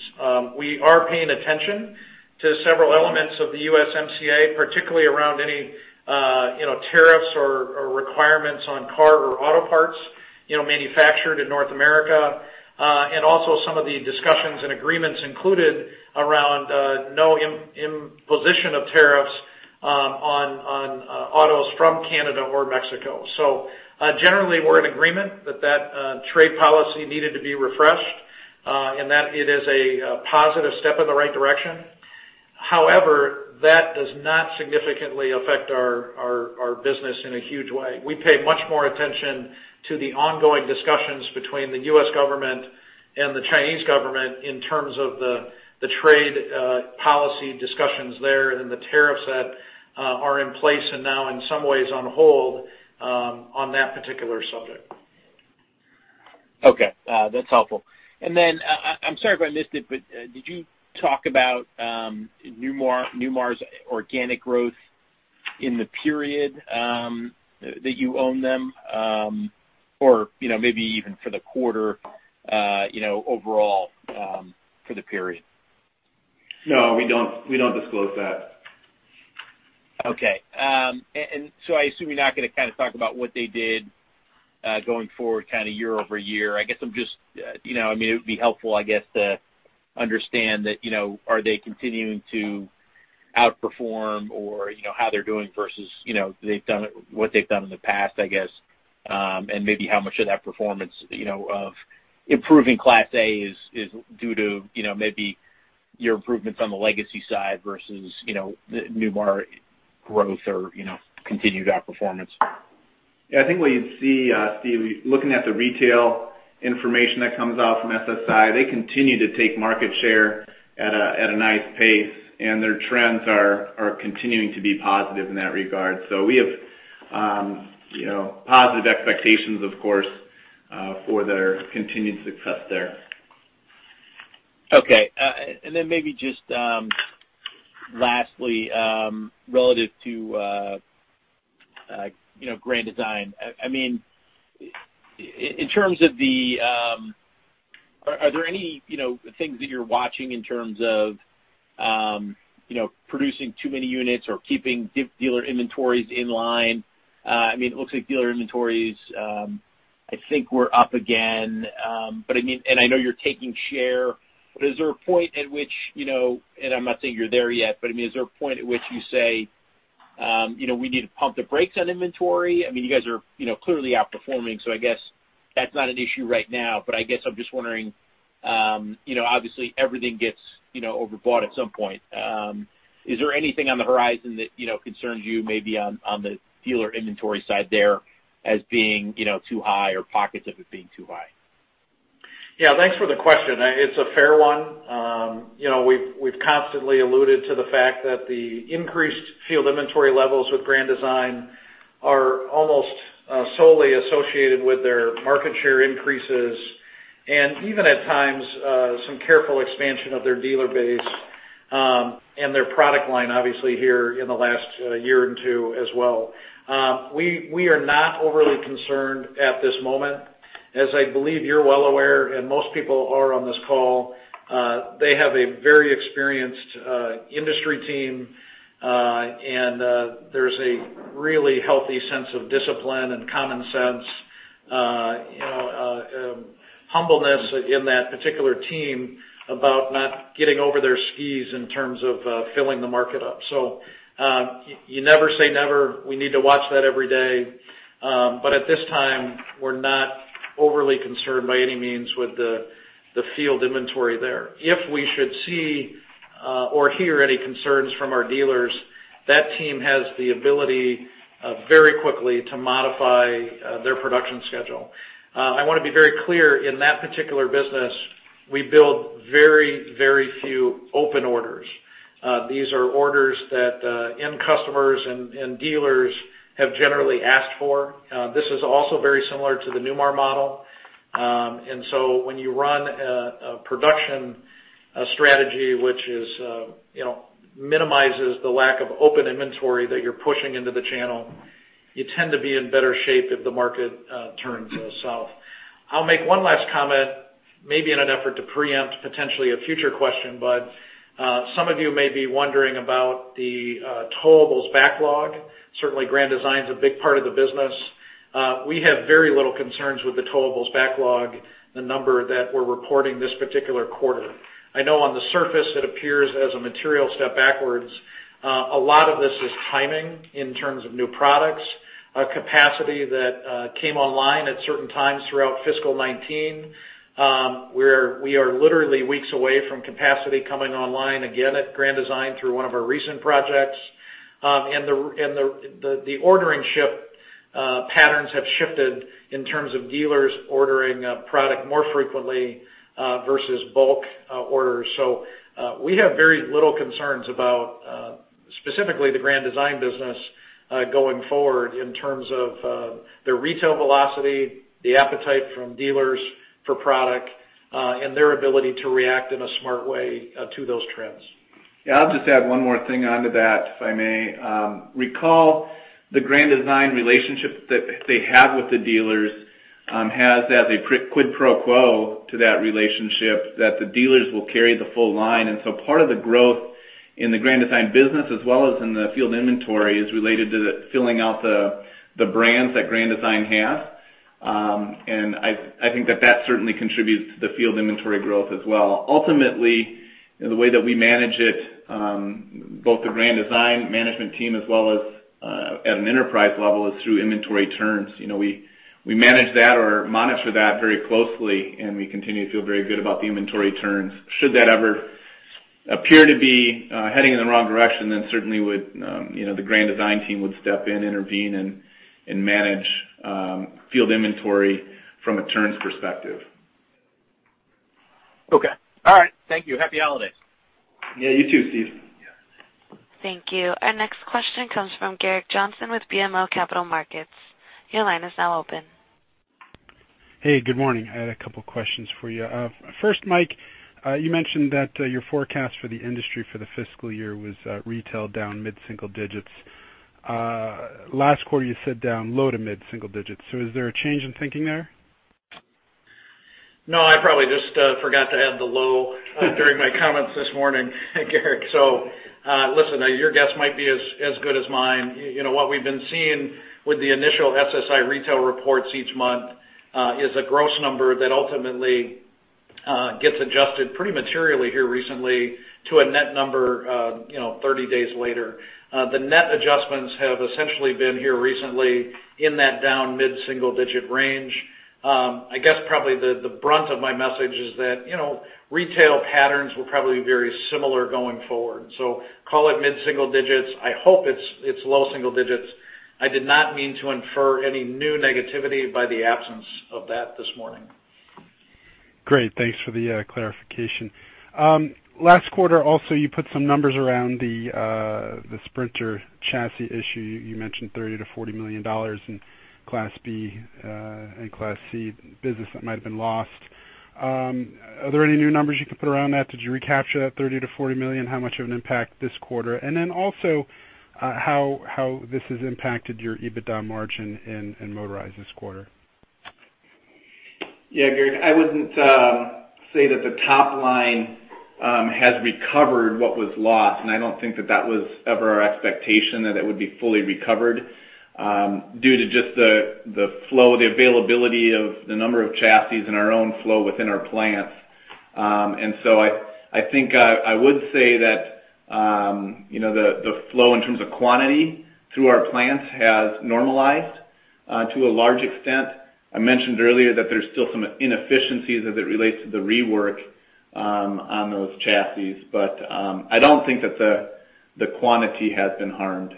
We are paying attention to several elements of the USMCA, particularly around any tariffs or requirements on car or auto parts manufactured in North America, and also some of the discussions and agreements included around no imposition of tariffs on autos from Canada or Mexico. So generally, we're in agreement that that trade policy needed to be refreshed and that it is a positive step in the right direction. However, that does not significantly affect our business in a huge way. We pay much more attention to the ongoing discussions between the U.S. government and the Chinese government in terms of the trade policy discussions there and the tariffs that are in place and now in some ways on hold on that particular subject. Okay. That's helpful. And then I'm sorry if I missed it, but did you talk about Newmar's organic growth in the period that you own them or maybe even for the quarter overall for the period? No, we don't disclose that. Okay. And so I assume you're not going to kind of talk about what they did going forward kind of year over year. I guess I'm just, I mean, it would be helpful, I guess, to understand that are they continuing to outperform or how they're doing versus what they've done in the past, I guess, and maybe how much of that performance of improving Class A is due to maybe your improvements on the legacy side versus Newmar growth or continued outperformance. Yeah. I think what you'd see, Steven, looking at the retail information that comes out from SSI, they continue to take market share at a nice pace, and their trends are continuing to be positive in that regard. So we have positive expectations, of course, for their continued success there. Okay. And then maybe just lastly, relative to Grand Design, I mean, in terms of the, are there any things that you're watching in terms of producing too many units or keeping dealer inventories in line? I mean, it looks like dealer inventories, I think, were up again. But I mean, and I know you're taking share, but is there a point at which, and I'm not saying you're there yet, but I mean, is there a point at which you say, "We need to pump the brakes on inventory"? I mean, you guys are clearly outperforming, so I guess that's not an issue right now. But I guess I'm just wondering, obviously, everything gets overbought at some point. Is there anything on the horizon that concerns you maybe on the dealer inventory side there as being too high or pockets of it being too high? Yeah. Thanks for the question. It's a fair one. We've constantly alluded to the fact that the increased field inventory levels with Grand Design are almost solely associated with their market share increases and even at times some careful expansion of their dealer base and their product line, obviously, here in the last year or two as well. We are not overly concerned at this moment. As I believe you're well aware, and most people are on this call, they have a very experienced industry team, and there's a really healthy sense of discipline and common sense, humbleness in that particular team about not getting over their skis in terms of filling the market up. So you never say never. We need to watch that every day. But at this time, we're not overly concerned by any means with the field inventory there. If we should see or hear any concerns from our dealers, that team has the ability very quickly to modify their production schedule. I want to be very clear. In that particular business, we build very, very few open orders. These are orders that end customers and dealers have generally asked for. This is also very similar to the Newmar model, and so when you run a production strategy, which minimizes the lack of open inventory that you're pushing into the channel, you tend to be in better shape if the market turns south. I'll make one last comment, maybe in an effort to preempt potentially a future question, but some of you may be wondering about the towables backlog. Certainly, Grand Design is a big part of the business. We have very little concerns with the towables backlog, the number that we're reporting this particular quarter. I know on the surface, it appears as a material step backwards. A lot of this is timing in terms of new products, a capacity that came online at certain times throughout fiscal 2019. We are literally weeks away from capacity coming online again at Grand Design through one of our recent projects, and the ordering shipment patterns have shifted in terms of dealers ordering product more frequently versus bulk orders. We have very little concerns about specifically the Grand Design business going forward in terms of their retail velocity, the appetite from dealers for product, and their ability to react in a smart way to those trends. Yeah. I'll just add one more thing onto that, if I may. Recall the Grand Design relationship that they have with the dealers has as a quid pro quo to that relationship that the dealers will carry the full line. And so part of the growth in the Grand Design business, as well as in the field inventory, is related to filling out the brands that Grand Design has. And I think that that certainly contributes to the field inventory growth as well. Ultimately, the way that we manage it, both the Grand Design management team as well as at an enterprise level, is through inventory turns. We manage that or monitor that very closely, and we continue to feel very good about the inventory turns. Should that ever appear to be heading in the wrong direction, then certainly the Grand Design team would step in, intervene, and manage field inventory from a turns perspective. Okay. All right. Thank you. Happy holidays. Yeah. You too, Steven. Thank you. Our next question comes from Gerrick Johnson with BMO Capital Markets. Your line is now open. Hey, good morning. I had a couple of questions for you. First, Michael, you mentioned that your forecast for the industry for the fiscal year was retail down mid-single digits. Last quarter, you said down low to mid-single digits. So is there a change in thinking there? No, I probably just forgot to add the low during my comments this morning, Gerrick. So listen, your guess might be as good as mine. What we've been seeing with the initial SSI retail reports each month is a gross number that ultimately gets adjusted pretty materially here recently to a net number 30 days later. The net adjustments have essentially been here recently in that down mid-single digit range. I guess probably the brunt of my message is that retail patterns will probably be very similar going forward. So call it mid-single digits. I hope it's low single digits. I did not mean to infer any new negativity by the absence of that this morning. Great. Thanks for the clarification. Last quarter, also, you put some numbers around the Sprinter chassis issue. You mentioned $30 million-$40 million in Class B and Class C business that might have been lost. Are there any new numbers you can put around that? Did you recapture that $30 million-$40 million? How much of an impact this quarter? And then also how this has impacted your EBITDA margin and motorized this quarter? Yeah, Gerrick. I wouldn't say that the top line has recovered what was lost. And I don't think that that was ever our expectation, that it would be fully recovered due to just the flow, the availability of the number of chassis and our own flow within our plants. And so I think I would say that the flow in terms of quantity through our plants has normalized to a large extent. I mentioned earlier that there's still some inefficiencies as it relates to the rework on those chassis, but I don't think that the quantity has been harmed.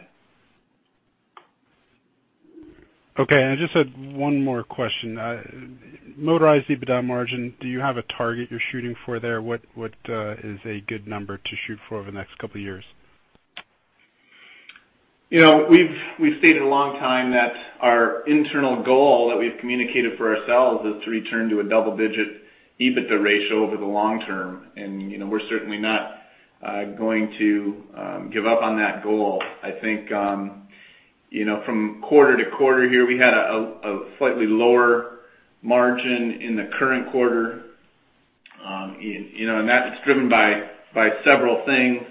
Okay. I just had one more question. Motorized EBITDA margin, do you have a target you're shooting for there? What is a good number to shoot for over the next couple of years? We've stated a long time that our internal goal that we've communicated for ourselves is to return to a double-digit EBITDA ratio over the long term. And we're certainly not going to give up on that goal. I think from quarter to quarter here, we had a slightly lower margin in the current quarter. And that's driven by several things.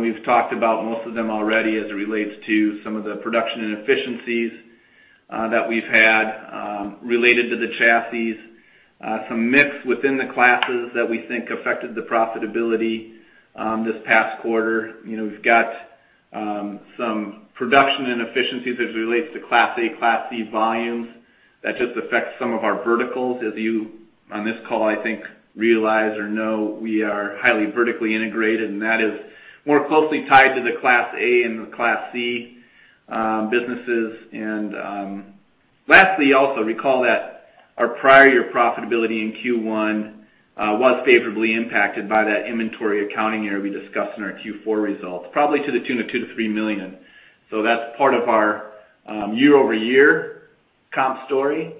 We've talked about most of them already as it relates to some of the production inefficiencies that we've had related to the chassis, some mix within the classes that we think affected the profitability this past quarter. We've got some production inefficiencies as it relates to Class A, Class C volumes. That just affects some of our verticals, as you on this call, I think, realize or know. We are highly vertically integrated, and that is more closely tied to the Class A and the Class C businesses. And lastly, also recall that our prior year profitability in Q1 was favorably impacted by that inventory accounting year we discussed in our Q4 results, probably to the tune of $2 million-$3 million. So that's part of our year-over-year comp story.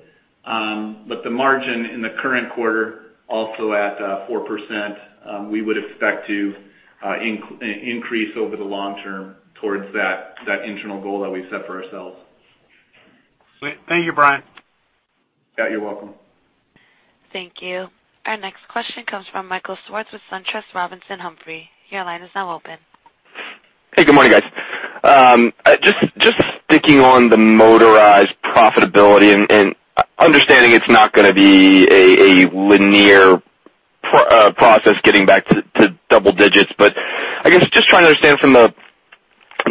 But the margin in the current quarter, also at 4%, we would expect to increase over the long term towards that internal goal that we set for ourselves. Thank you, Bryan. Yeah. You're welcome. Thank you. Our next question comes from Michael Swartz with SunTrust Robinson Humphrey. Your line is now open. Hey, good morning, guys. Just sticking on the motorized profitability and understanding it's not going to be a linear process getting back to double digits. But I guess just trying to understand,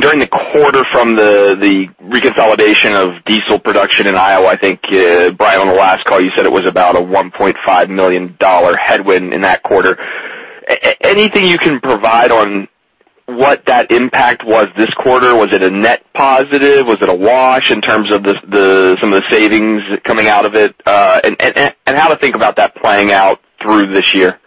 during the quarter, from the reconciliation of diesel production in Iowa, I think, Bryan, on the last call, you said it was about a $1.5 million headwind in that quarter. Anything you can provide on what that impact was this quarter? Was it a net positive? Was it a wash in terms of some of the savings coming out of it? And how to think about that playing out through this year?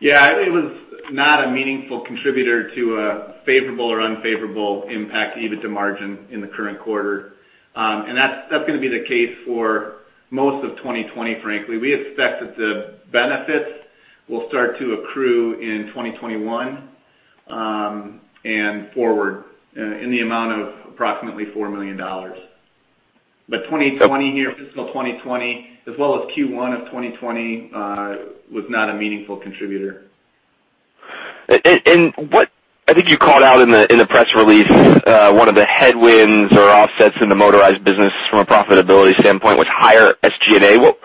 Yeah. It was not a meaningful contributor to a favorable or unfavorable impact to EBITDA margin in the current quarter. And that's going to be the case for most of 2020, frankly. We expect that the benefits will start to accrue in 2021 and forward in the amount of approximately $4 million. But 2020 here, fiscal 2020, as well as Q1 of 2020, was not a meaningful contributor. I think you called out in the press release one of the headwinds or offsets in the motorized business from a profitability standpoint was higher SG&A. What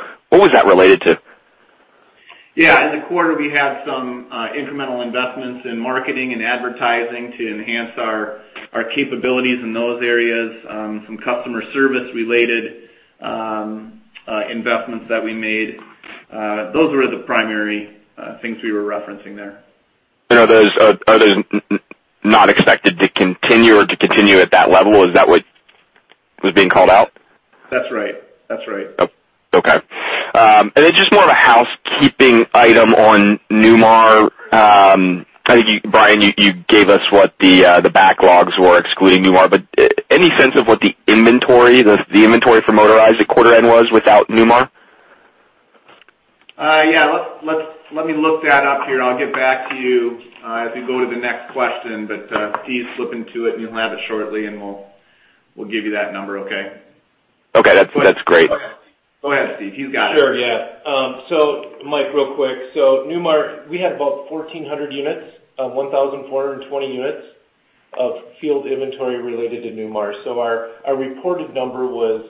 was that related to? Yeah. In the quarter, we had some incremental investments in marketing and advertising to enhance our capabilities in those areas, some customer service-related investments that we made. Those were the primary things we were referencing there. Are those not expected to continue or to continue at that level? Is that what was being called out? That's right. That's right. Okay. And then just more of a housekeeping item on Newmar. I think, Bryan, you gave us what the backlogs were, excluding Newmar, but any sense of what the inventory for motorized at quarter end was without Newmar? Yeah. Let me look that up here. I'll get back to you as we go to the next question. But Steven's flipping to it, and he'll have it shortly, and we'll give you that number, okay? Okay. That's great. Go ahead, Steven. He's got it. Sure. Yeah. So Michael, real quick. So Newmar, we had about 1,400 units, 1,420 units of field inventory related to Newmar. So our reported number was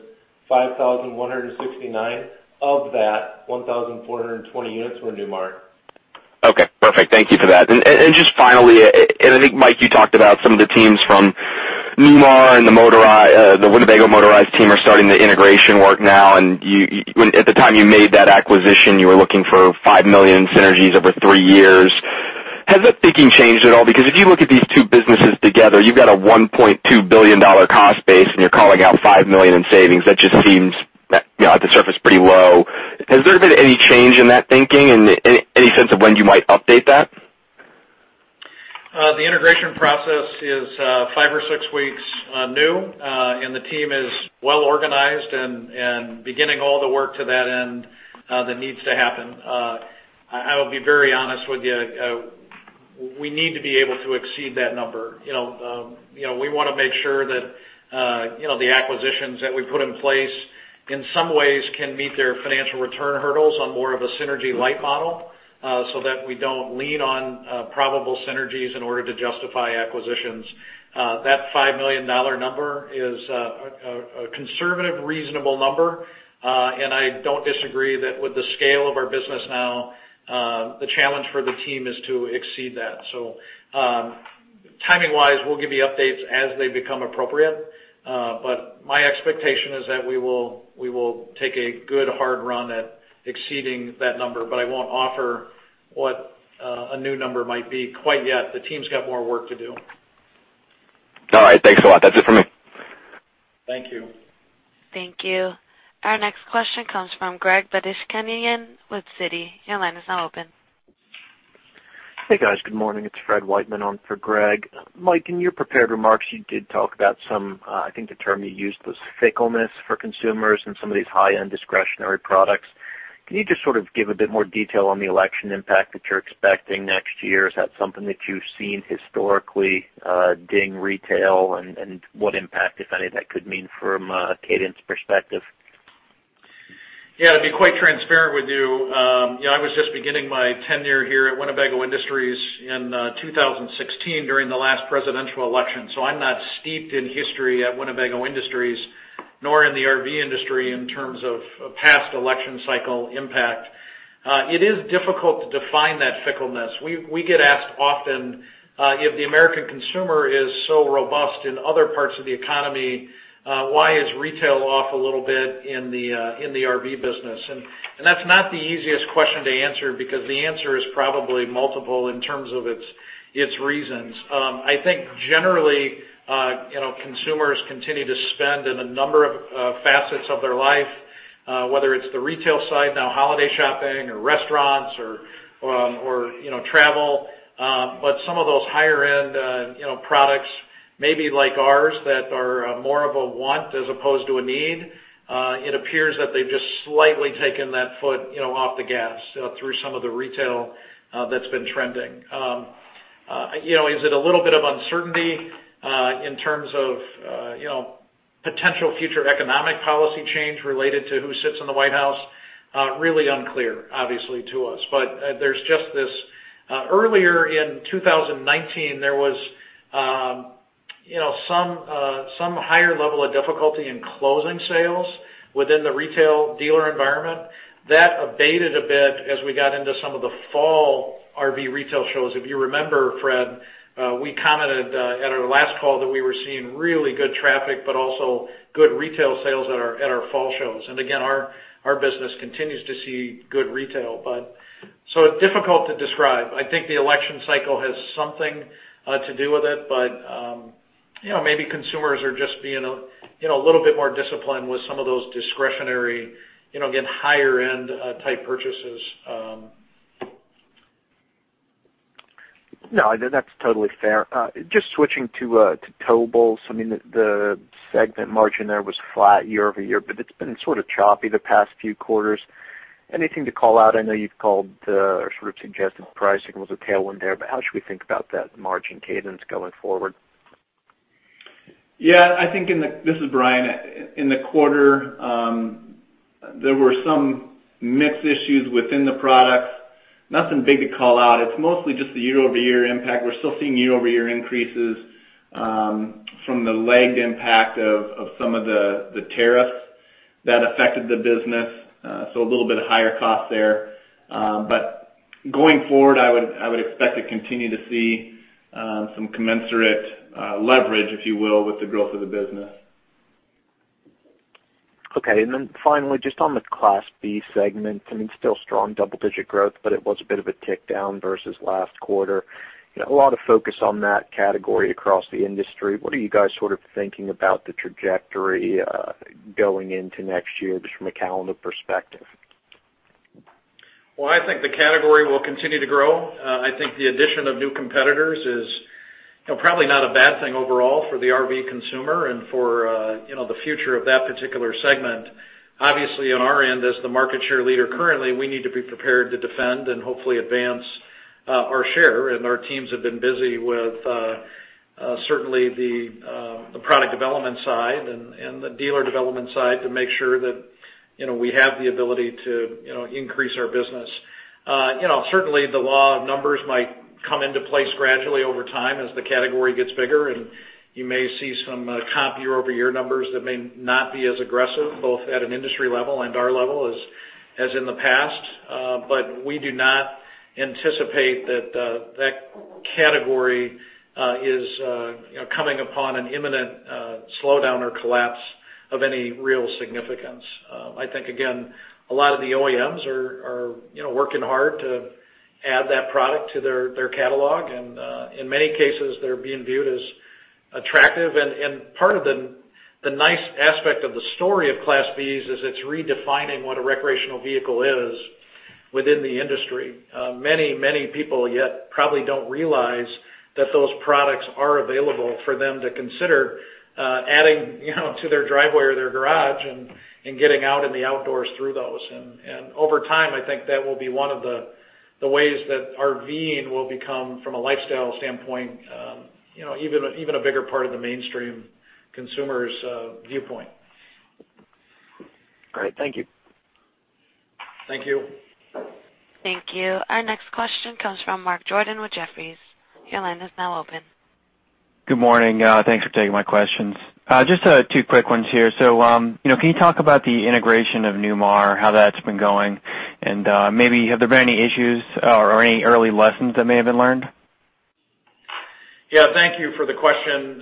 5,169. Of that, 1,420 units were Newmar. Okay. Perfect. Thank you for that. And just finally, and I think, Michael, you talked about some of the teams from Newmar and the Winnebago Motorized team are starting the integration work now. And at the time you made that acquisition, you were looking for $5 million synergies over three years. Has that thinking changed at all? Because if you look at these two businesses together, you've got a $1.2 billion cost base, and you're calling out $5 million in savings. That just seems, at the surface, pretty low. Has there been any change in that thinking and any sense of when you might update that? The integration process is five or six weeks new, and the team is well organized and beginning all the work to that end that needs to happen. I will be very honest with you. We need to be able to exceed that number. We want to make sure that the acquisitions that we put in place in some ways can meet their financial return hurdles on more of a synergy light model so that we don't lean on probable synergies in order to justify acquisitions. That $5 million number is a conservative, reasonable number. And I don't disagree that, with the scale of our business now, the challenge for the team is to exceed that. So timing-wise, we'll give you updates as they become appropriate. But my expectation is that we will take a good hard run at exceeding that number, but I won't offer what a new number might be quite yet. The team's got more work to do. All right. Thanks a lot. That's it for me. Thank you. Thank you. Our next question comes from Greg Badishkanian with Citi. Your line is now open. Hey, guys. Good morning. It's Fred Wightman on for Greg. Michael, in your prepared remarks, you did talk about some, I think the term you used was fickleness for consumers in some of these high-end discretionary products. Can you just sort of give a bit more detail on the election impact that you're expecting next year? Is that something that you've seen historically ding retail, and what impact, if any, that could mean from a cadence perspective? Yeah. To be quite transparent with you, I was just beginning my tenure here at Winnebago Industries in 2016 during the last presidential election. So I'm not steeped in history at Winnebago Industries nor in the RV industry in terms of past election cycle impact. It is difficult to define that fickleness. We get asked often, "If the American consumer is so robust in other parts of the economy, why is retail off a little bit in the RV business?" And that's not the easiest question to answer because the answer is probably multiple in terms of its reasons. I think generally, consumers continue to spend in a number of facets of their life, whether it's the retail side, now holiday shopping or restaurants or travel. But some of those higher-end products, maybe like ours that are more of a want as opposed to a need, it appears that they've just slightly taken that foot off the gas through some of the retail that's been trending. Is it a little bit of uncertainty in terms of potential future economic policy change related to who sits in the White House? Really unclear, obviously, to us, but there's just this earlier in 2019, there was some higher level of difficulty in closing sales within the retail dealer environment. That abated a bit as we got into some of the fall RV retail shows. If you remember, Fred, we commented at our last call that we were seeing really good traffic, but also good retail sales at our fall shows, and again, our business continues to see good retail, so it's difficult to describe. I think the election cycle has something to do with it, but maybe consumers are just being a little bit more disciplined with some of those discretionary, again, higher-end type purchases. No, that's totally fair. Just switching to towables, I mean, the segment margin there was flat year over year, but it's been sort of choppy the past few quarters. Anything to call out? I know you've called or sort of suggested pricing was a tailwind there, but how should we think about that margin cadence going forward? Yeah. I think, and this is Bryan, in the quarter, there were some mixed issues within the products. Nothing big to call out. It's mostly just the year-over-year impact. We're still seeing year-over-year increases from the lagged impact of some of the tariffs that affected the business. So a little bit of higher cost there. But going forward, I would expect to continue to see some commensurate leverage, if you will, with the growth of the business. Okay. And then finally, just on the Class B segment, I mean, still strong double-digit growth, but it was a bit of a tick down versus last quarter. A lot of focus on that category across the industry. What are you guys sort of thinking about the trajectory going into next year just from a calendar perspective? I think the category will continue to grow. I think the addition of new competitors is probably not a bad thing overall for the RV consumer and for the future of that particular segment. Obviously, on our end, as the market share leader currently, we need to be prepared to defend and hopefully advance our share. Our teams have been busy with certainly the product development side and the dealer development side to make sure that we have the ability to increase our business. Certainly, the law of numbers might come into place gradually over time as the category gets bigger. You may see some comp year-over-year numbers that may not be as aggressive both at an industry level and our level as in the past. But we do not anticipate that that category is coming upon an imminent slowdown or collapse of any real significance. I think, again, a lot of the OEMs are working hard to add that product to their catalog. And in many cases, they're being viewed as attractive. And part of the nice aspect of the story of Class Bs is it's redefining what a recreational vehicle is within the industry. Many, many people yet probably don't realize that those products are available for them to consider adding to their driveway or their garage and getting out in the outdoors through those. And over time, I think that will be one of the ways that RVing will become, from a lifestyle standpoint, even a bigger part of the mainstream consumer's viewpoint. Great. Thank you. Thank you. Thank you. Our next question comes from Bret Jordan with Jefferies. Your line is now open. Good morning. Thanks for taking my questions. Just two quick ones here. So can you talk about the integration of Newmar, how that's been going? And maybe have there been any issues or any early lessons that may have been learned? Yeah. Thank you for the question.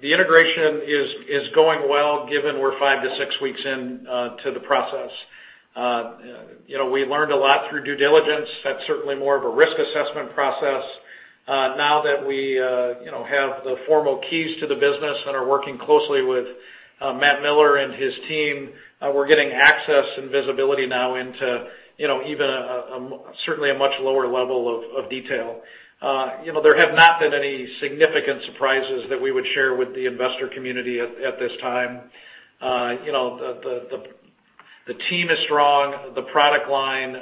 The integration is going well given we're five to six weeks into the process. We learned a lot through due diligence. That's certainly more of a risk assessment process. Now that we have the formal keys to the business and are working closely with Matt Miller and his team, we're getting access and visibility now into even certainly a much lower level of detail. There have not been any significant surprises that we would share with the investor community at this time. The team is strong. The product line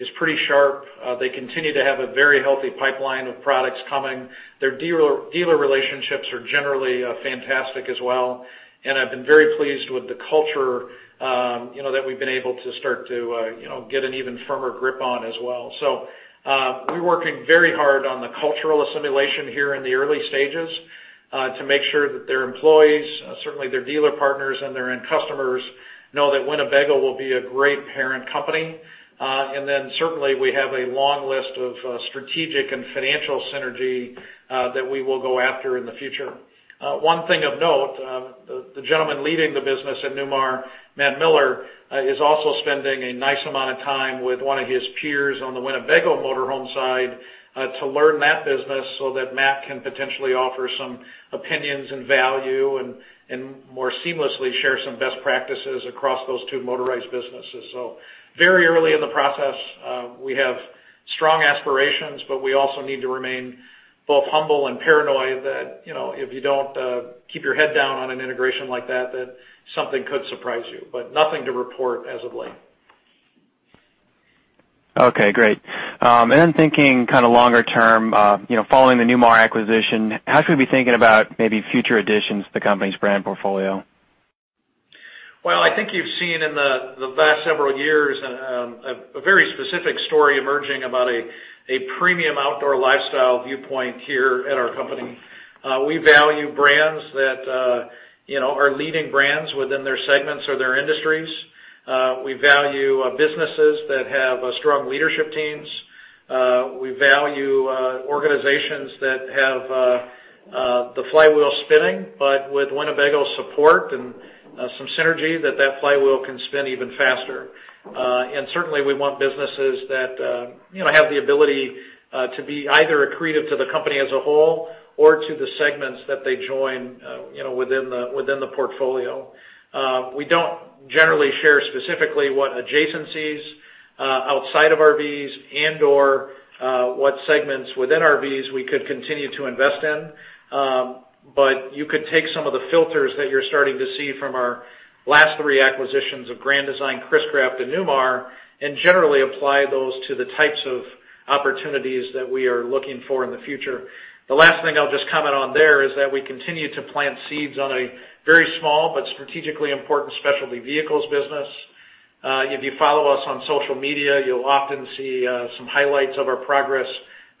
is pretty sharp. They continue to have a very healthy pipeline of products coming. Their dealer relationships are generally fantastic as well, and I've been very pleased with the culture that we've been able to start to get an even firmer grip on as well. So we're working very hard on the cultural assimilation here in the early stages to make sure that their employees, certainly their dealer partners and their end customers know that Winnebago will be a great parent company. And then certainly, we have a long list of strategic and financial synergy that we will go after in the future. One thing of note, the gentleman leading the business at Newmar, Matt Miller, is also spending a nice amount of time with one of his peers on the Winnebago motorhome side to learn that business so that Matt can potentially offer some opinions and value and more seamlessly share some best practices across those two motorized businesses. So very early in the process, we have strong aspirations, but we also need to remain both humble and paranoid that if you don't keep your head down on an integration like that, that something could surprise you. But nothing to report as of late. Okay. Great. And then thinking kind of longer term, following the Newmar acquisition, how should we be thinking about maybe future additions to the company's brand portfolio? I think you've seen in the last several years a very specific story emerging about a premium outdoor lifestyle viewpoint here at our company. We value brands that are leading brands within their segments or their industries. We value businesses that have strong leadership teams. We value organizations that have the flywheel spinning, but with Winnebago support and some synergy, that the flywheel can spin even faster. And certainly, we want businesses that have the ability to be either accretive to the company as a whole or to the segments that they join within the portfolio. We don't generally share specifically what adjacencies outside of RVs and/or what segments within RVs we could continue to invest in. But you could take some of the filters that you're starting to see from our last three acquisitions of Grand Design, Chris-Craft, and Newmar, and generally apply those to the types of opportunities that we are looking for in the future. The last thing I'll just comment on there is that we continue to plant seeds on a very small but strategically important specialty vehicles business. If you follow us on social media, you'll often see some highlights of our progress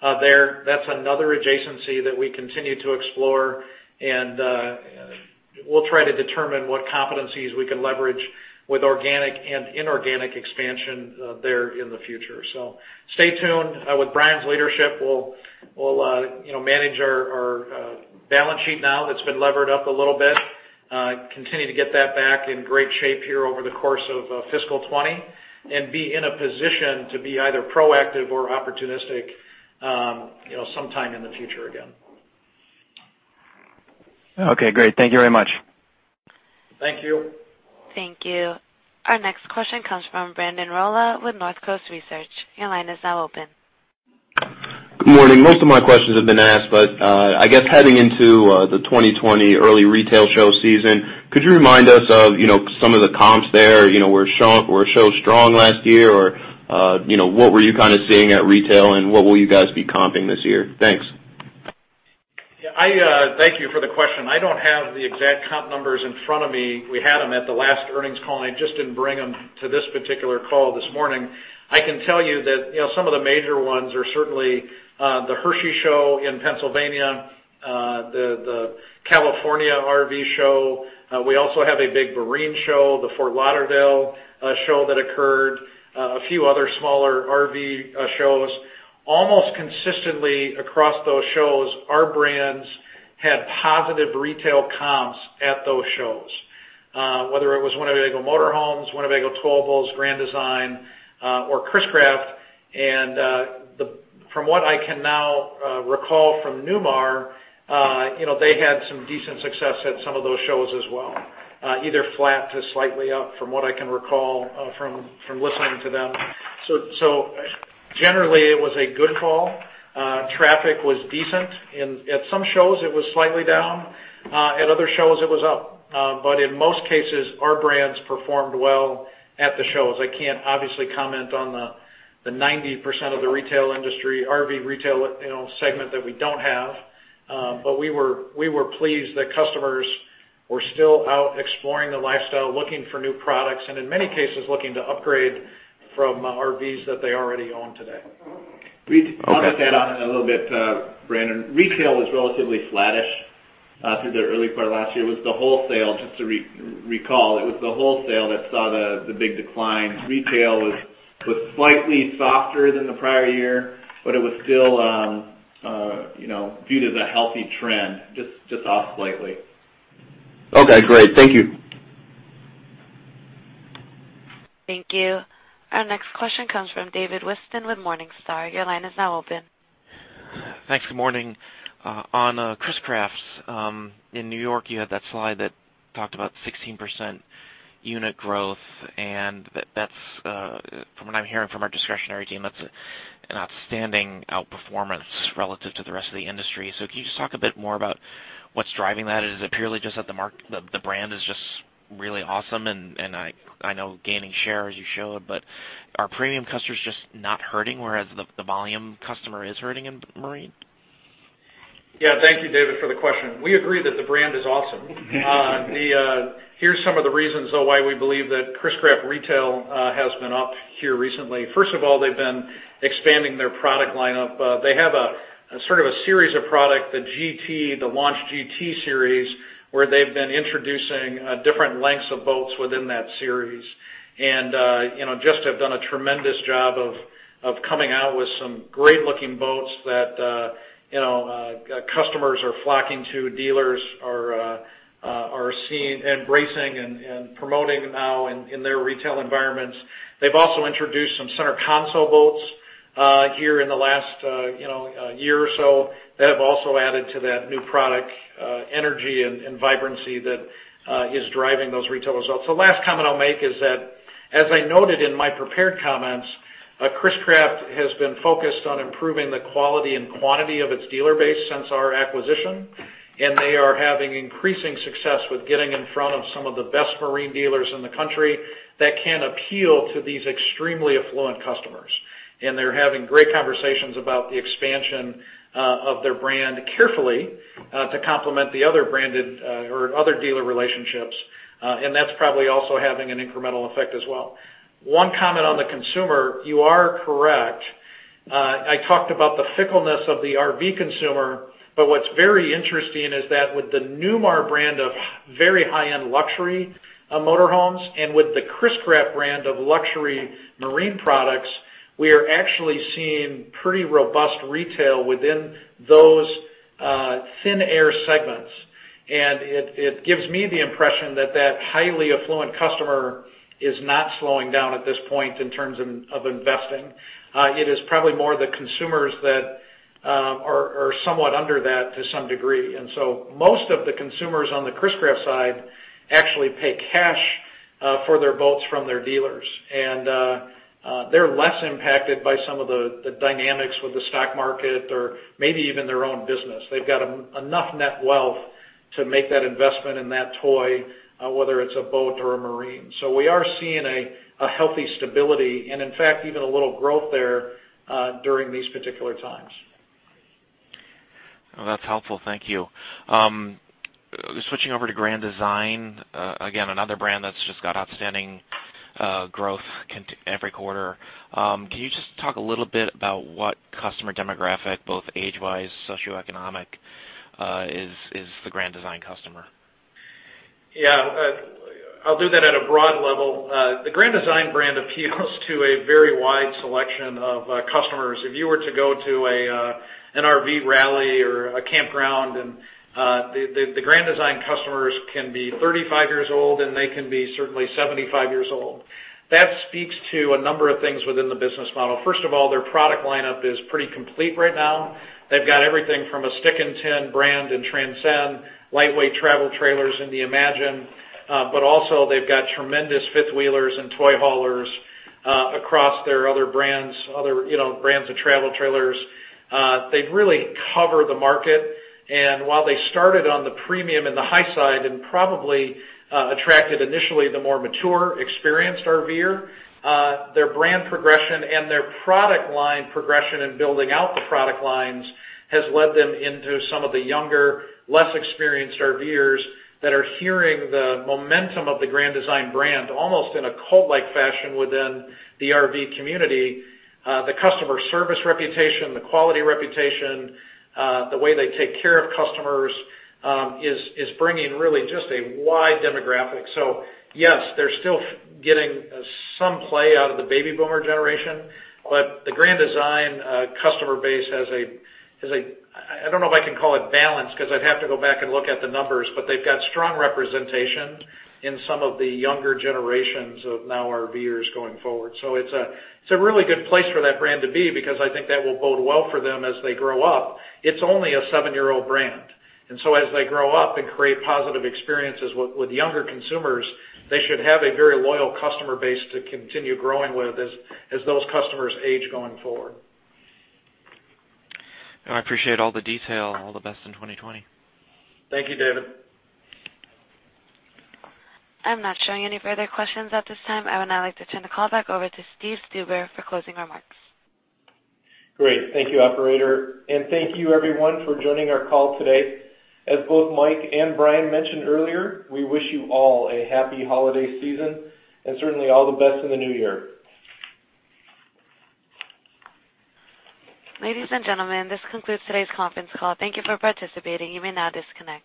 there. That's another adjacency that we continue to explore, and we'll try to determine what competencies we can leverage with organic and inorganic expansion there in the future. So stay tuned. With Bryan's leadership, we'll manage our balance sheet now that's been levered up a little bit, continue to get that back in great shape here over the course of fiscal 2020, and be in a position to be either proactive or opportunistic sometime in the future again. Okay. Great. Thank you very much. Thank you. Thank you. Our next question comes from Brandon Rolle with Northcoast Research. Your line is now open. Good morning. Most of my questions have been asked, but I guess heading into the 2020 early retail show season, could you remind us of some of the comps there? Were shows strong last year? Or what were you kind of seeing at retail, and what will you guys be comping this year? Thanks. Yeah. Thank you for the question. I don't have the exact comp numbers in front of me. We had them at the last earnings call, and I just didn't bring them to this particular call this morning. I can tell you that some of the major ones are certainly the Hershey show in Pennsylvania, the California RV Show. We also have a big marine show, the Fort Lauderdale show that occurred, a few other smaller RV shows. Almost consistently across those shows, our brands had positive retail comps at those shows, whether it was Winnebago Motorhomes, Winnebago Towables, Grand Design, or Chris-Craft, and from what I can now recall from Newmar, they had some decent success at some of those shows as well, either flat to slightly up from what I can recall from listening to them. So generally, it was a good call. Traffic was decent. At some shows, it was slightly down. At other shows, it was up. But in most cases, our brands performed well at the shows. I can't obviously comment on the 90% of the retail industry, RV retail segment that we don't have, but we were pleased that customers were still out exploring the lifestyle, looking for new products, and in many cases, looking to upgrade from RVs that they already own today. I'll just add on a little bit, Brandon. Retail was relatively flattish through the early part of last year. It was the wholesale, just to recall. It was the wholesale that saw the big decline. Retail was slightly softer than the prior year, but it was still viewed as a healthy trend, just off slightly. Okay. Great. Thank you. Thank you. Our next question comes from David Whiston with Morningstar. Your line is now open. Thanks. Good morning. On Chris-Craft in New York, you had that slide that talked about 16% unit growth. And from what I'm hearing from our discretionary team, that's an outstanding outperformance relative to the rest of the industry. So can you just talk a bit more about what's driving that? Is it purely just that the brand is just really awesome? And I know gaining share, as you showed, but are premium customers just not hurting, whereas the volume customer is hurting in marine? Yeah. Thank you, David, for the question. We agree that the brand is awesome. Here's some of the reasons, though, why we believe that Chris-Craft retail has been up here recently. First of all, they've been expanding their product lineup. They have sort of a series of products, the GT, the Launch GT series, where they've been introducing different lengths of boats within that series. And just have done a tremendous job of coming out with some great-looking boats that customers are flocking to, dealers are embracing and promoting now in their retail environments. They've also introduced some center console boats here in the last year or so. They have also added to that new product energy and vibrancy that is driving those retail results. The last comment I'll make is that, as I noted in my prepared comments, Chris-Craft has been focused on improving the quality and quantity of its dealer base since our acquisition. And they are having increasing success with getting in front of some of the best marine dealers in the country that can appeal to these extremely affluent customers. And they're having great conversations about the expansion of their brand carefully to complement the other branded or other dealer relationships. And that's probably also having an incremental effect as well. One comment on the consumer, you are correct. I talked about the fickleness of the RV consumer, but what's very interesting is that with the Newmar brand of very high-end luxury motorhomes and with the Chris-Craft brand of luxury marine products, we are actually seeing pretty robust retail within those thin air segments. And it gives me the impression that that highly affluent customer is not slowing down at this point in terms of investing. It is probably more the consumers that are somewhat under that to some degree. And so most of the consumers on the Chris-Craft side actually pay cash for their boats from their dealers. And they're less impacted by some of the dynamics with the stock market or maybe even their own business. They've got enough net wealth to make that investment in that toy, whether it's a boat or a marine. So we are seeing a healthy stability and, in fact, even a little growth there during these particular times. That's helpful. Thank you. Switching over to Grand Design, again, another brand that's just got outstanding growth every quarter. Can you just talk a little bit about what customer demographic, both age-wise, socioeconomic, is the Grand Design customer? Yeah. I'll do that at a broad level. The Grand Design brand appeals to a very wide selection of customers. If you were to go to an RV rally or a campground, the Grand Design customers can be 35 years old, and they can be certainly 75 years old. That speaks to a number of things within the business model. First of all, their product lineup is pretty complete right now. They've got everything from a stick-and-tin brand and Transcend, lightweight travel trailers in the Imagine. But also, they've got tremendous fifth wheelers and toy haulers across their other brands, other brands of travel trailers. They really cover the market. While they started on the premium and the high side and probably attracted initially the more mature, experienced RVer, their brand progression and their product line progression and building out the product lines has led them into some of the younger, less experienced RVers that are hearing the momentum of the Grand Design brand almost in a cult-like fashion within the RV community. The customer service reputation, the quality reputation, the way they take care of customers is bringing really just a wide demographic. Yes, they're still getting some play out of the baby boomer generation, but the Grand Design customer base has a (I don't know if I can call it balance because I'd have to go back and look at the numbers) but they've got strong representation in some of the younger generations of now RVers going forward. So it's a really good place for that brand to be because I think that will bode well for them as they grow up. It's only a seven-year-old brand. And so as they grow up and create positive experiences with younger consumers, they should have a very loyal customer base to continue growing with as those customers age going forward. I appreciate all the detail. All the best in 2020. Thank you, David. I'm not showing any further questions at this time. I would now like to turn the call back over to Steven Stuber for closing remarks. Great. Thank you, Operator. And thank you, everyone, for joining our call today. As both Michael and Bryan mentioned earlier, we wish you all a happy holiday season and certainly all the best in the new year. Ladies and gentlemen, this concludes today's conference call. Thank you for participating. You may now disconnect.